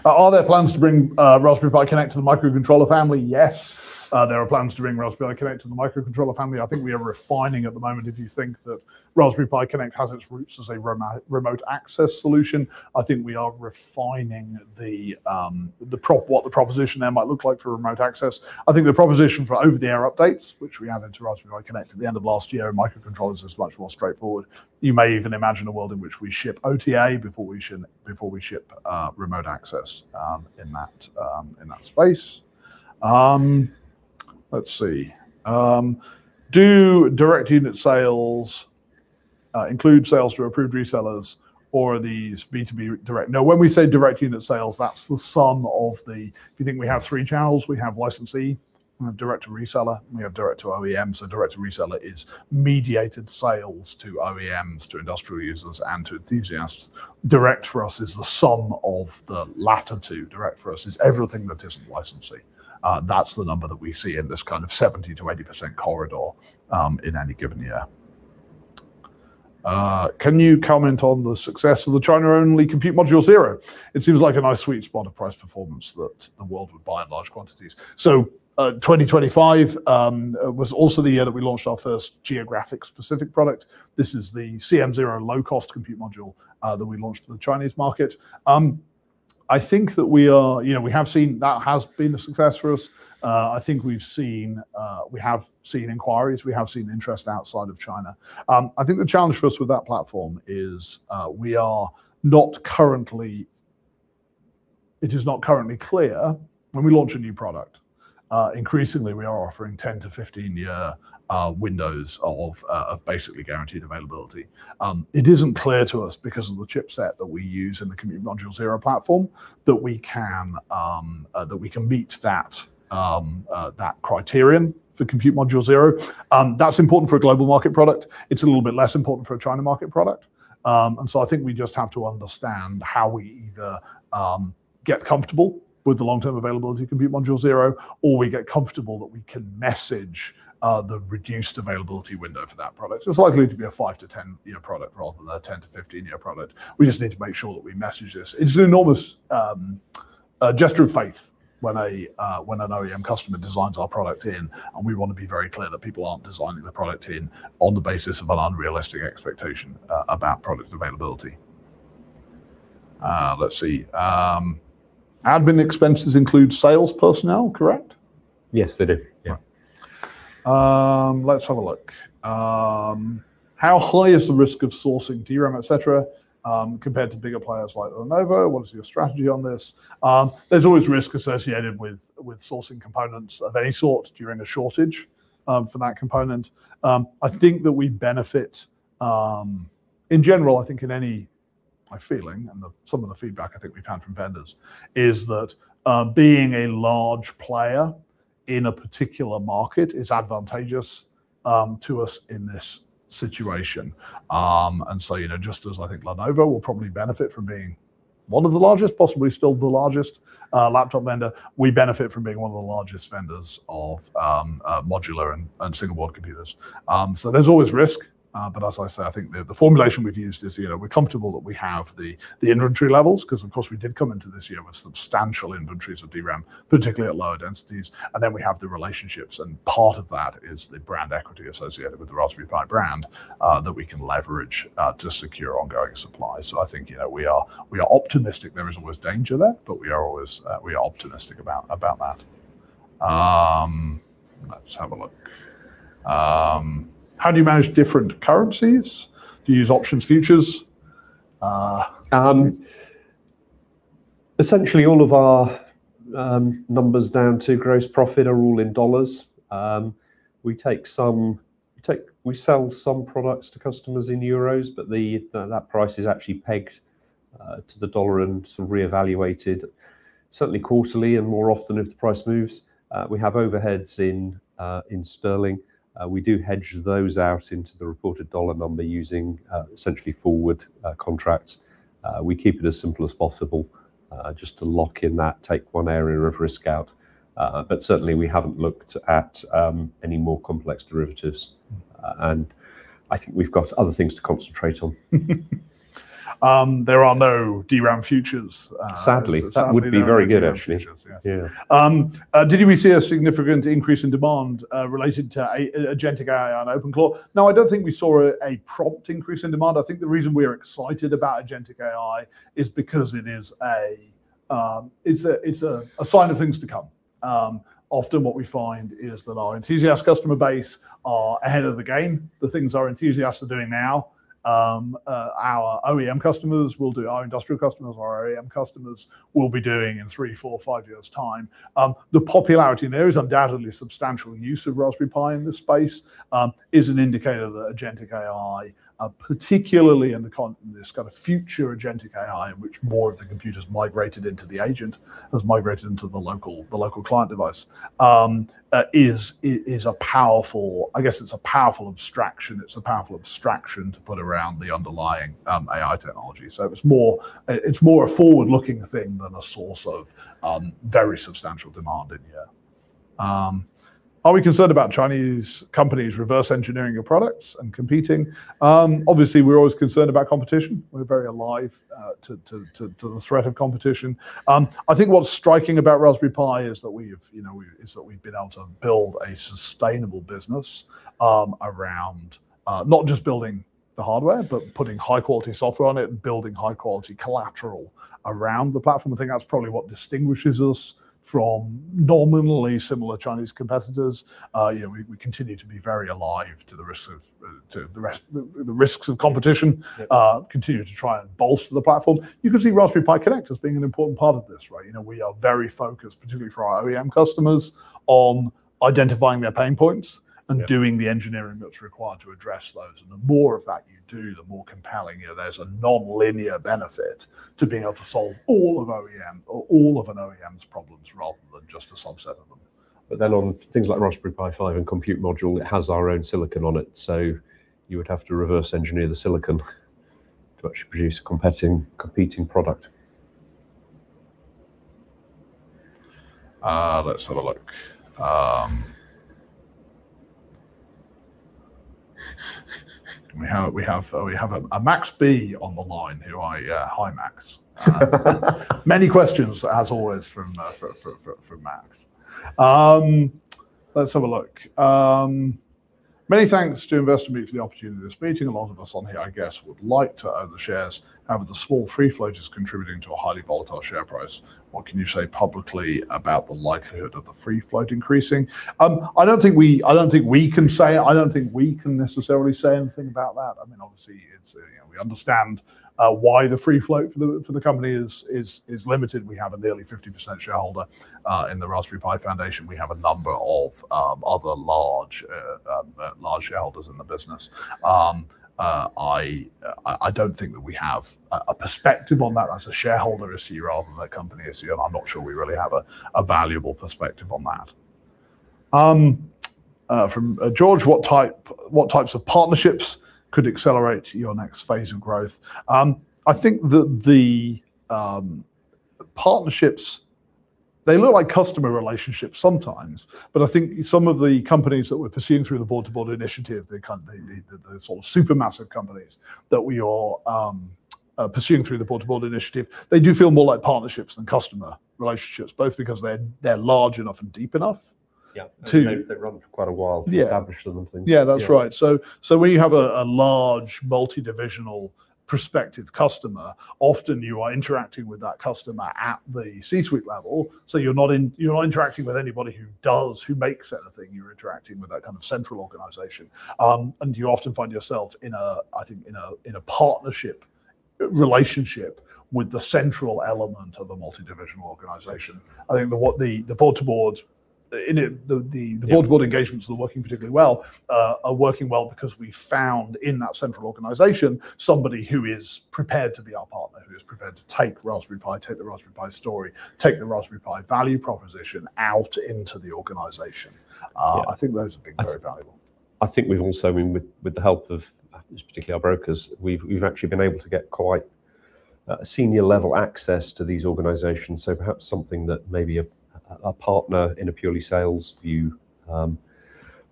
Are there plans to bring Raspberry Pi Connect to the microcontroller family? Yes. There are plans to bring Raspberry Pi Connect to the microcontroller family. I think we are refining at the moment, if you think that Raspberry Pi Connect has its roots as a remote access solution. I think we are refining what the proposition there might look like for remote access. I think the proposition for over-the-air updates, which we added to Raspberry Pi Connect at the end of last year, and microcontrollers is much more straightforward. You may even imagine a world in which we ship OTA before we ship remote access in that space. Let's see. Do direct unit sales include sales to approved resellers or are these B2B direct? No, when we say direct unit sales, that's the sum of the. If you think we have three channels, we have licensee, we have direct to reseller, and we have direct to OEM, so direct to reseller is mediated sales to OEMs, to industrial users, and to enthusiasts. Direct for us is the sum of the latter two. Direct for us is everything that isn't licensee. That's the number that we see in this kind of 70%-80% corridor, in any given year. Can you comment on the success of the China-only Compute Module 0? It seems like a nice sweet spot of price performance that the world would buy in large quantities. 2025 was also the year that we launched our first geographic-specific product. This is the CM0 low-cost Compute Module, that we launched for the Chinese market. I think that, you know, we have seen that has been a success for us. I think we've seen inquiries and interest outside of China. I think the challenge for us with that platform is, it is not currently clear when we launch a new product. Increasingly, we are offering 10-15 year windows of basically guaranteed availability. It isn't clear to us because of the chipset that we use in the Compute Module 0 platform that we can meet that criterion for Compute Module 0. That's important for a global market product. It's a little bit less important for a China market product. I think we just have to understand how we either get comfortable with the long-term availability of Compute Module 0, or we get comfortable that we can message the reduced availability window for that product. It's likely to be a 5-10 year product rather than a 10-15 year product. We just need to make sure that we message this. It is an enormous gesture of faith when an OEM customer designs our product in, and we wanna be very clear that people aren't designing the product in on the basis of an unrealistic expectation about product availability. Let's see. Admin expenses include sales personnel, correct? Yes, they do. Yeah. Right. Let's have a look. How high is the risk of sourcing DRAM, etc, compared to bigger players like Lenovo? What is your strategy on this? There's always risk associated with sourcing components of any sort during a shortage for that component. I think that we benefit in general. My feeling and some of the feedback we've had from vendors is that being a large player in a particular market is advantageous to us in this situation. You know, just as I think Lenovo will probably benefit from being one of the largest, possibly still the largest, laptop vendor. We benefit from being one of the largest vendors of modular and single board computers. There's always risk, but as I say, I think the formulation we've used is, you know, we're comfortable that we have the inventory levels because of course we did come into this year with substantial inventories of DRAM, particularly at lower densities. We have the relationships, and part of that is the brand equity associated with the Raspberry Pi brand that we can leverage to secure ongoing supply. I think, you know, we are optimistic. There is always danger there, but we are always optimistic about that. Let's have a look. How do you manage different currencies? Do you use options, futures? Essentially all of our numbers down to gross profit are all in dollars. We sell some products to customers in euros, but that price is actually pegged to the dollar and sort of reevaluated certainly quarterly and more often if the price moves. We have overheads in sterling. We do hedge those out into the reported dollar number using essentially forward contracts. We keep it as simple as possible just to lock in that takes one area of risk out. Certainly we haven't looked at any more complex derivatives, and I think we've got other things to concentrate on. There are no DRAM futures. Sadly. That would be very good actually. Sadly, no DRAM futures. Yes. Yeah. Did we see a significant increase in demand related to agentic AI on OpenClaw? No, I don't think we saw a prompt increase in demand. I think the reason we're excited about agentic AI is because it is a sign of things to come. Often what we find is that our enthusiast customer base are ahead of the game. The things our enthusiasts are doing now, our OEM customers will do. Our industrial customers, our OEM customers will be doing in 3, 4, 5 years' time. The popularity, and there is undoubtedly substantial use of Raspberry Pi in this space, is an indicator that agentic AI, particularly in this kind of future agentic AI, in which more of the computer's migrated into the agent, has migrated into the local client device, is a powerful abstraction. I guess it's a powerful abstraction. It's a powerful abstraction to put around the underlying AI technology. It's more a forward-looking thing than a source of very substantial demand in here. Are we concerned about Chinese companies reverse engineering your products and competing? Obviously, we're always concerned about competition. We're very alive to the threat of competition. I think what's striking about Raspberry Pi is that we've, you know, been able to build a sustainable business around not just building the hardware, but putting high quality software on it and building high quality collateral around the platform. I think that's probably what distinguishes us from nominally similar Chinese competitors. You know, we continue to be very alive to the risks of competition. Yeah. Continue to try and bolster the platform. You can see Raspberry Pi Connect as being an important part of this, right? You know, we are very focused, particularly for our OEM customers, on identifying their pain points. Yeah doing the engineering that's required to address those. The more of that you do, the more compelling. You know, there's a nonlinear benefit to being able to solve all of OEM or all of an OEM's problems rather than just a subset of them. On things like Raspberry Pi 5 and Compute Module, it has our own silicon on it, so you would have to reverse engineer the silicon to actually produce a competing product. Let's have a look. We have a Max B on the line. Hi, Max. Many questions as always from Max. Let's have a look. Many thanks to Investor Meet for the opportunity of this meeting. A lot of us on here, I guess, would like to own the shares. However, the small free float is contributing to a highly volatile share price. What can you say publicly about the likelihood of the free float increasing? I don't think we can say. I don't think we can necessarily say anything about that. I mean, obviously it's, you know, we understand why the free float for the company is limited. We have a nearly 50% shareholder in the Raspberry Pi Foundation. We have a number of other large shareholders in the business. I don't think that we have a perspective on that as a shareholder issue rather than a company issue, and I'm not sure we really have a valuable perspective on that. From George, what types of partnerships could accelerate your next phase of growth? I think that the partnerships, they look like customer relationships sometimes, but I think some of the companies that we're pursuing through the board-to-board initiative, the sort of super massive companies that we are pursuing through the board-to-board initiative, they do feel more like partnerships than customer relationships, both because they're large enough and deep enough. Yeah... to- They've run for quite a while to establish certain things. Yeah. Yeah, that's right. When you have a large multidivisional prospective customer, often you are interacting with that customer at the C-suite level. You're not interacting with anybody who makes anything. You're interacting with that kind of central organization. You often find yourself in a partnership relationship with the central element of a multidivisional organization. I think the board-to-board. Yeah... the board-to-board engagements that are working particularly well, are working well because we found in that central organization somebody who is prepared to be our partner, who is prepared to take Raspberry Pi, take the Raspberry Pi story, take the Raspberry Pi value proposition out into the organization. Yeah I think those have been very valuable. I think we've also been with the help of particularly our brokers, we've actually been able to get quite senior-level access to these organizations. Perhaps something that maybe a partner in a purely sales view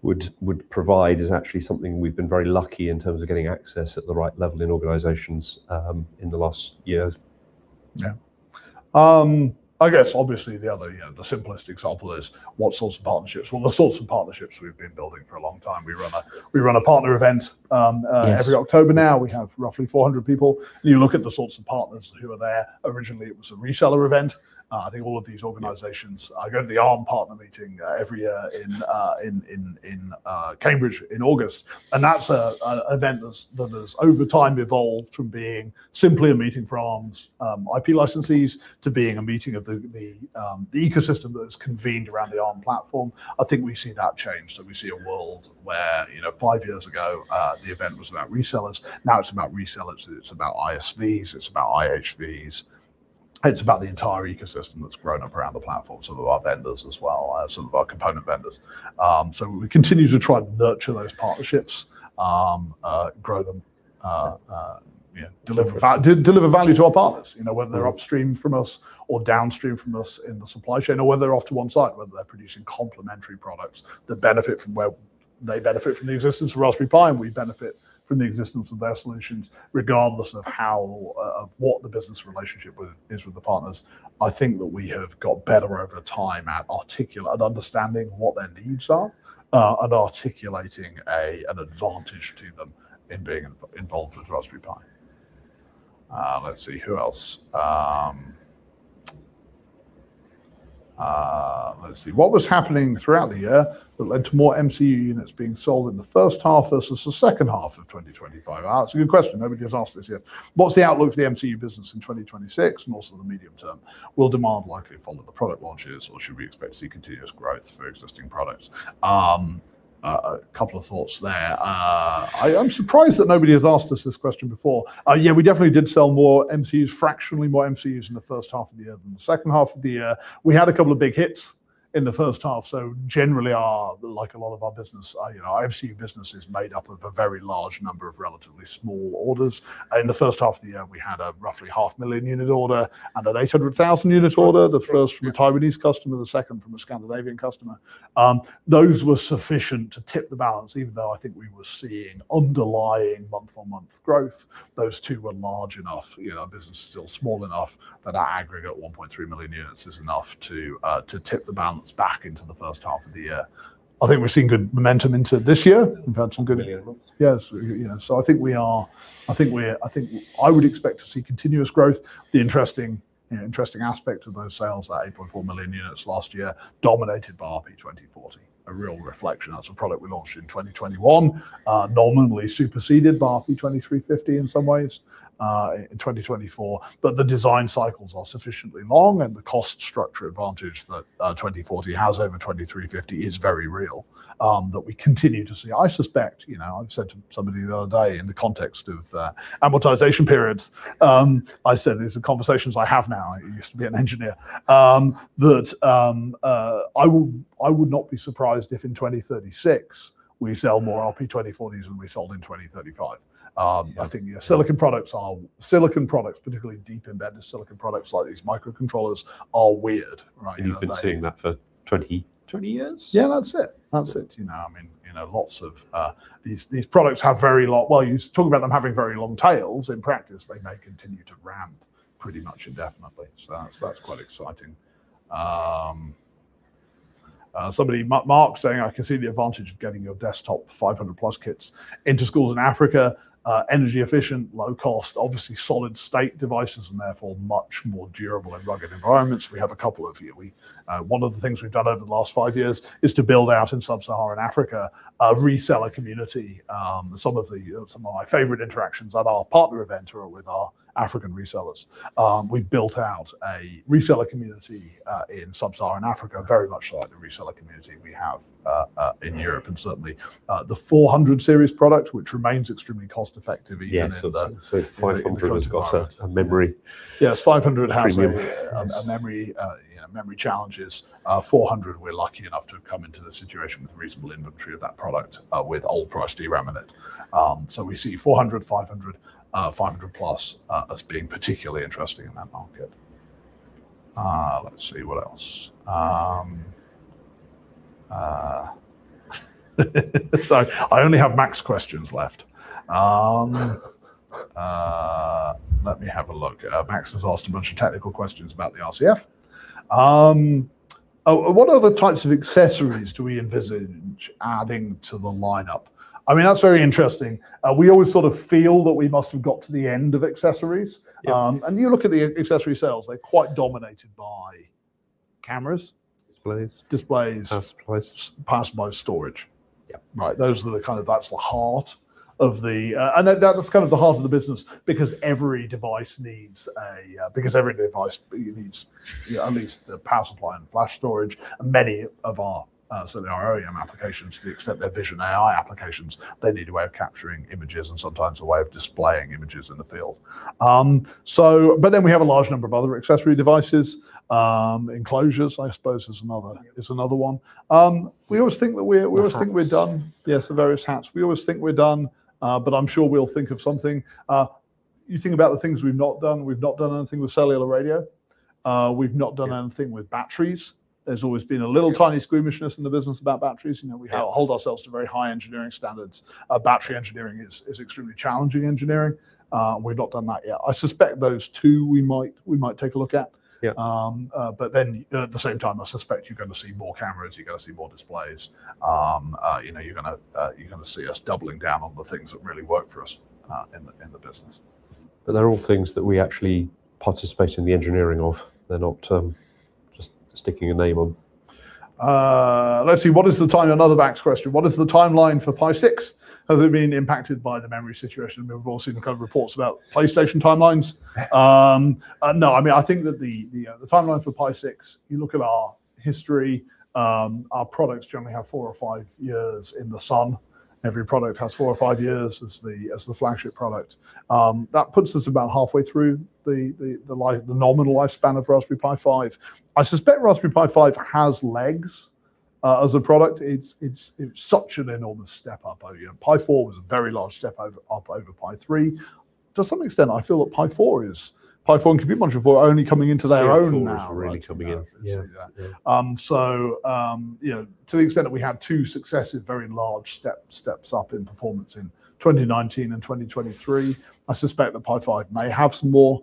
would provide is actually something we've been very lucky in terms of getting access at the right level in organizations in the last year. Yeah. I guess obviously the other, you know, the simplest example is what sorts of partnerships? Well, the sorts of partnerships we've been building for a long time. We run a partner event. Yes... every October now, we have roughly 400 people. You look at the sorts of partners who are there. Originally it was a reseller event. I think all of these organizations- Yeah I go to the Arm partner meeting every year in Cambridge in August. That's an event that's that has over time evolved from being simply a meeting for Arm's IP licensees to being a meeting of the ecosystem that has convened around the Arm platform. I think we see that change. We see a world where, you know, five years ago, the event was about resellers, now it's about resellers, it's about ISV, it's about IHV, it's about the entire ecosystem that's grown up around the platform. Some of our vendors as well, some of our component vendors. We continue to try to nurture those partnerships, grow them, you know. Deliver deliver value to our partners, you know, whether they're upstream from us or downstream from us in the supply chain, or whether they're off to one side, whether they're producing complementary products that benefit from they benefit from the existence of Raspberry Pi, and we benefit from the existence of their solutions regardless of how or of what the business relationship with, is with the partners. I think that we have got better over time at at understanding what their needs are, and articulating an advantage to them in being involved with Raspberry Pi. Let's see, who else? Let's see. "What was happening throughout the year that led to more MCU units being sold in the first half versus the second half of 2025?" It's a good question. Nobody has asked this yet. What's the outlook for the MCU business in 2026 and also the medium term? Will demand likely follow the product launches, or should we expect to see continuous growth for existing products?" A couple of thoughts there. I'm surprised that nobody has asked us this question before. Yeah, we definitely did sell more MCUs, fractionally more MCUs in the first half of the year than the second half of the year. We had a couple of big hits in the first half, so generally our, like a lot of our business, you know, our MCU business is made up of a very large number of relatively small orders. In the first half of the year, we had a roughly 500,000 unit order and an 800,000 unit order, the first from a Taiwanese customer, the second from a Scandinavian customer. Those were sufficient to tip the balance, even though I think we were seeing underlying month-on-month growth. Those two were large enough, you know, our business is still small enough that our aggregate 1.3 million units is enough to tip the balance back into the first half of the year. I think we're seeing good momentum into this year. We've had some good million months. Yes. You know, I think I would expect to see continuous growth. You know, the interesting aspect of those sales, that 8.4 million units last year dominated RP2040, a real reflection. That's a product we launched in 2021, nominally superseded RP2350 in some ways in 2024. The design cycles are sufficiently long, and the cost structure advantage that RP2040 has over RP2350 is very real, that we continue to see. I suspect, you know, I said to somebody the other day in the context of amortization periods, I said, these are conversations I have now, I used to be an engineer, that I would not be surprised if in 2036 we sell more RP2040s than we sold in 2035. Yeah I think your silicon products are particularly deeply embedded silicon products like these microcontrollers are weird, right? They- You've been seeing that for 20 years. Yeah, that's it. You know, I mean, you know, lots of these products have very long, while you talk about them having very long tails, in practice, they may continue to ramp pretty much indefinitely. That's quite exciting. Somebody, Mark saying, "I can see the advantage of getting your desktop 500+ kits into schools in Africa. Energy efficient, low cost, obviously solid state devices and therefore much more durable in rugged environments." We have a couple of you. One of the things we've done over the last five years is to build out in sub-Saharan Africa, a reseller community. Some of my favorite interactions at our partner events are with our African resellers. We've built out a reseller community in sub-Saharan Africa, very much like the reseller community we have. ... in Europe and certainly, the 400 series product, which remains extremely cost-effective even in the The 500 has got a memory in the current environment. Yeah, 500 has a Free memory... memory, you know, memory challenges. 400, we're lucky enough to have come into the situation with reasonable inventory of that product, with low-price DRAM in it. We see 400, 500+, as being particularly interesting in that market. Let's see what else. I only have Max questions left. Let me have a look. Max has asked a bunch of technical questions about the RCF. Oh, "What other types of accessories do we envisage adding to the lineup?" I mean, that's very interesting. We always sort of feel that we must have got to the end of accessories. Yeah. You look at the accessory sales, they're quite dominated by cameras. Displays. Displays. Power supplies. Surpassed by storage. Yeah. Right. That's the heart of the business because every device needs at least the power supply and flash storage. Many of our certainly our OEM applications, to the extent they're vision AI applications, they need a way of capturing images and sometimes a way of displaying images in the field. We have a large number of other accessory devices. Enclosures, I suppose, is another one. We always think we're done. The HATs. Yes, the various hats. We always think we're done, but I'm sure we'll think of something. You think about the things we've not done, we've not done anything with cellular radio. We've not done anything with batteries. There's always been a little tiny squeamishness in the business about batteries. You know, we hold ourselves to very high engineering standards. Battery engineering is extremely challenging engineering. We've not done that yet. I suspect those two we might take a look at. Yeah. At the same time, I suspect you're gonna see more cameras, you're gonna see more displays. You know, you're gonna see us doubling down on the things that really work for us, in the business. They're all things that we actually participate in the engineering of. They're not just sticking a name on. Let's see, what is the time. Another Max question. "What is the timeline for Pi 6? Has it been impacted by the memory situation?" We've all seen the kind of reports about PlayStation timelines. No. I mean, I think that the timeline for Pi 6, you look at our history, our products generally have four or five years in the sun. Every product has four or five years as the flagship product. That puts us about halfway through the life, the nominal lifespan of Raspberry Pi 5. I suspect Raspberry Pi 5 has legs as a product. It's such an enormous step up. You know, Pi 4 was a very large step up over Pi 3. To some extent, I feel that Pi 4 and Compute Module 4 are only coming into their own now. Pi 4 is really coming in. Yeah. Yeah. You know, to the extent that we had two successive very large steps up in performance in 2019 and 2023, I suspect that Pi 5 may have more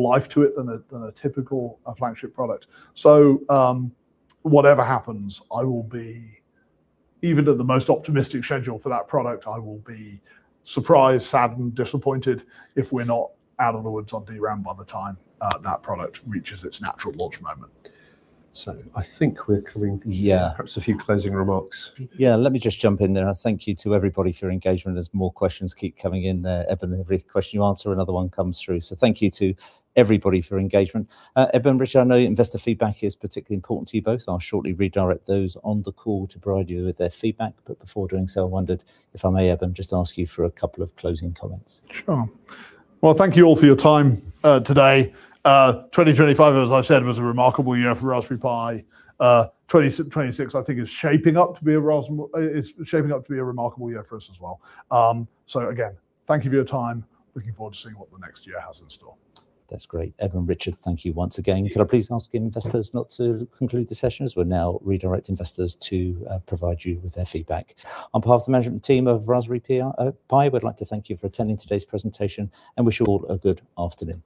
life to it than a typical flagship product. Whatever happens, even at the most optimistic schedule for that product, I will be surprised, sad, and disappointed if we're not out of the woods on DRAM by the time that product reaches its natural launch moment. I think we're coming to the. Yeah. Perhaps a few closing remarks. Yeah. Let me just jump in there. Thank you to everybody for your engagement. As more questions keep coming in there, Eben, every question you answer, another one comes through. Thank you to everybody for your engagement. Eben, Richard, I know investor feedback is particularly important to you both, and I'll shortly redirect those on the call to provide you with their feedback. Before doing so, I wondered if I may, Eben, just ask you for a couple of closing comments. Sure. Well, thank you all for your time today. 2025, as I've said, was a remarkable year for Raspberry Pi. 2026 I think is shaping up to be a remarkable year for us as well. Again, thank you for your time. Looking forward to seeing what the next year has in store. That's great. Eben, Richard, thank you once again. Could I please ask investors not to conclude the session as we now redirect investors to provide you with their feedback. On behalf of the management team of Raspberry Pi, we'd like to thank you for attending today's presentation and wish you all a good afternoon.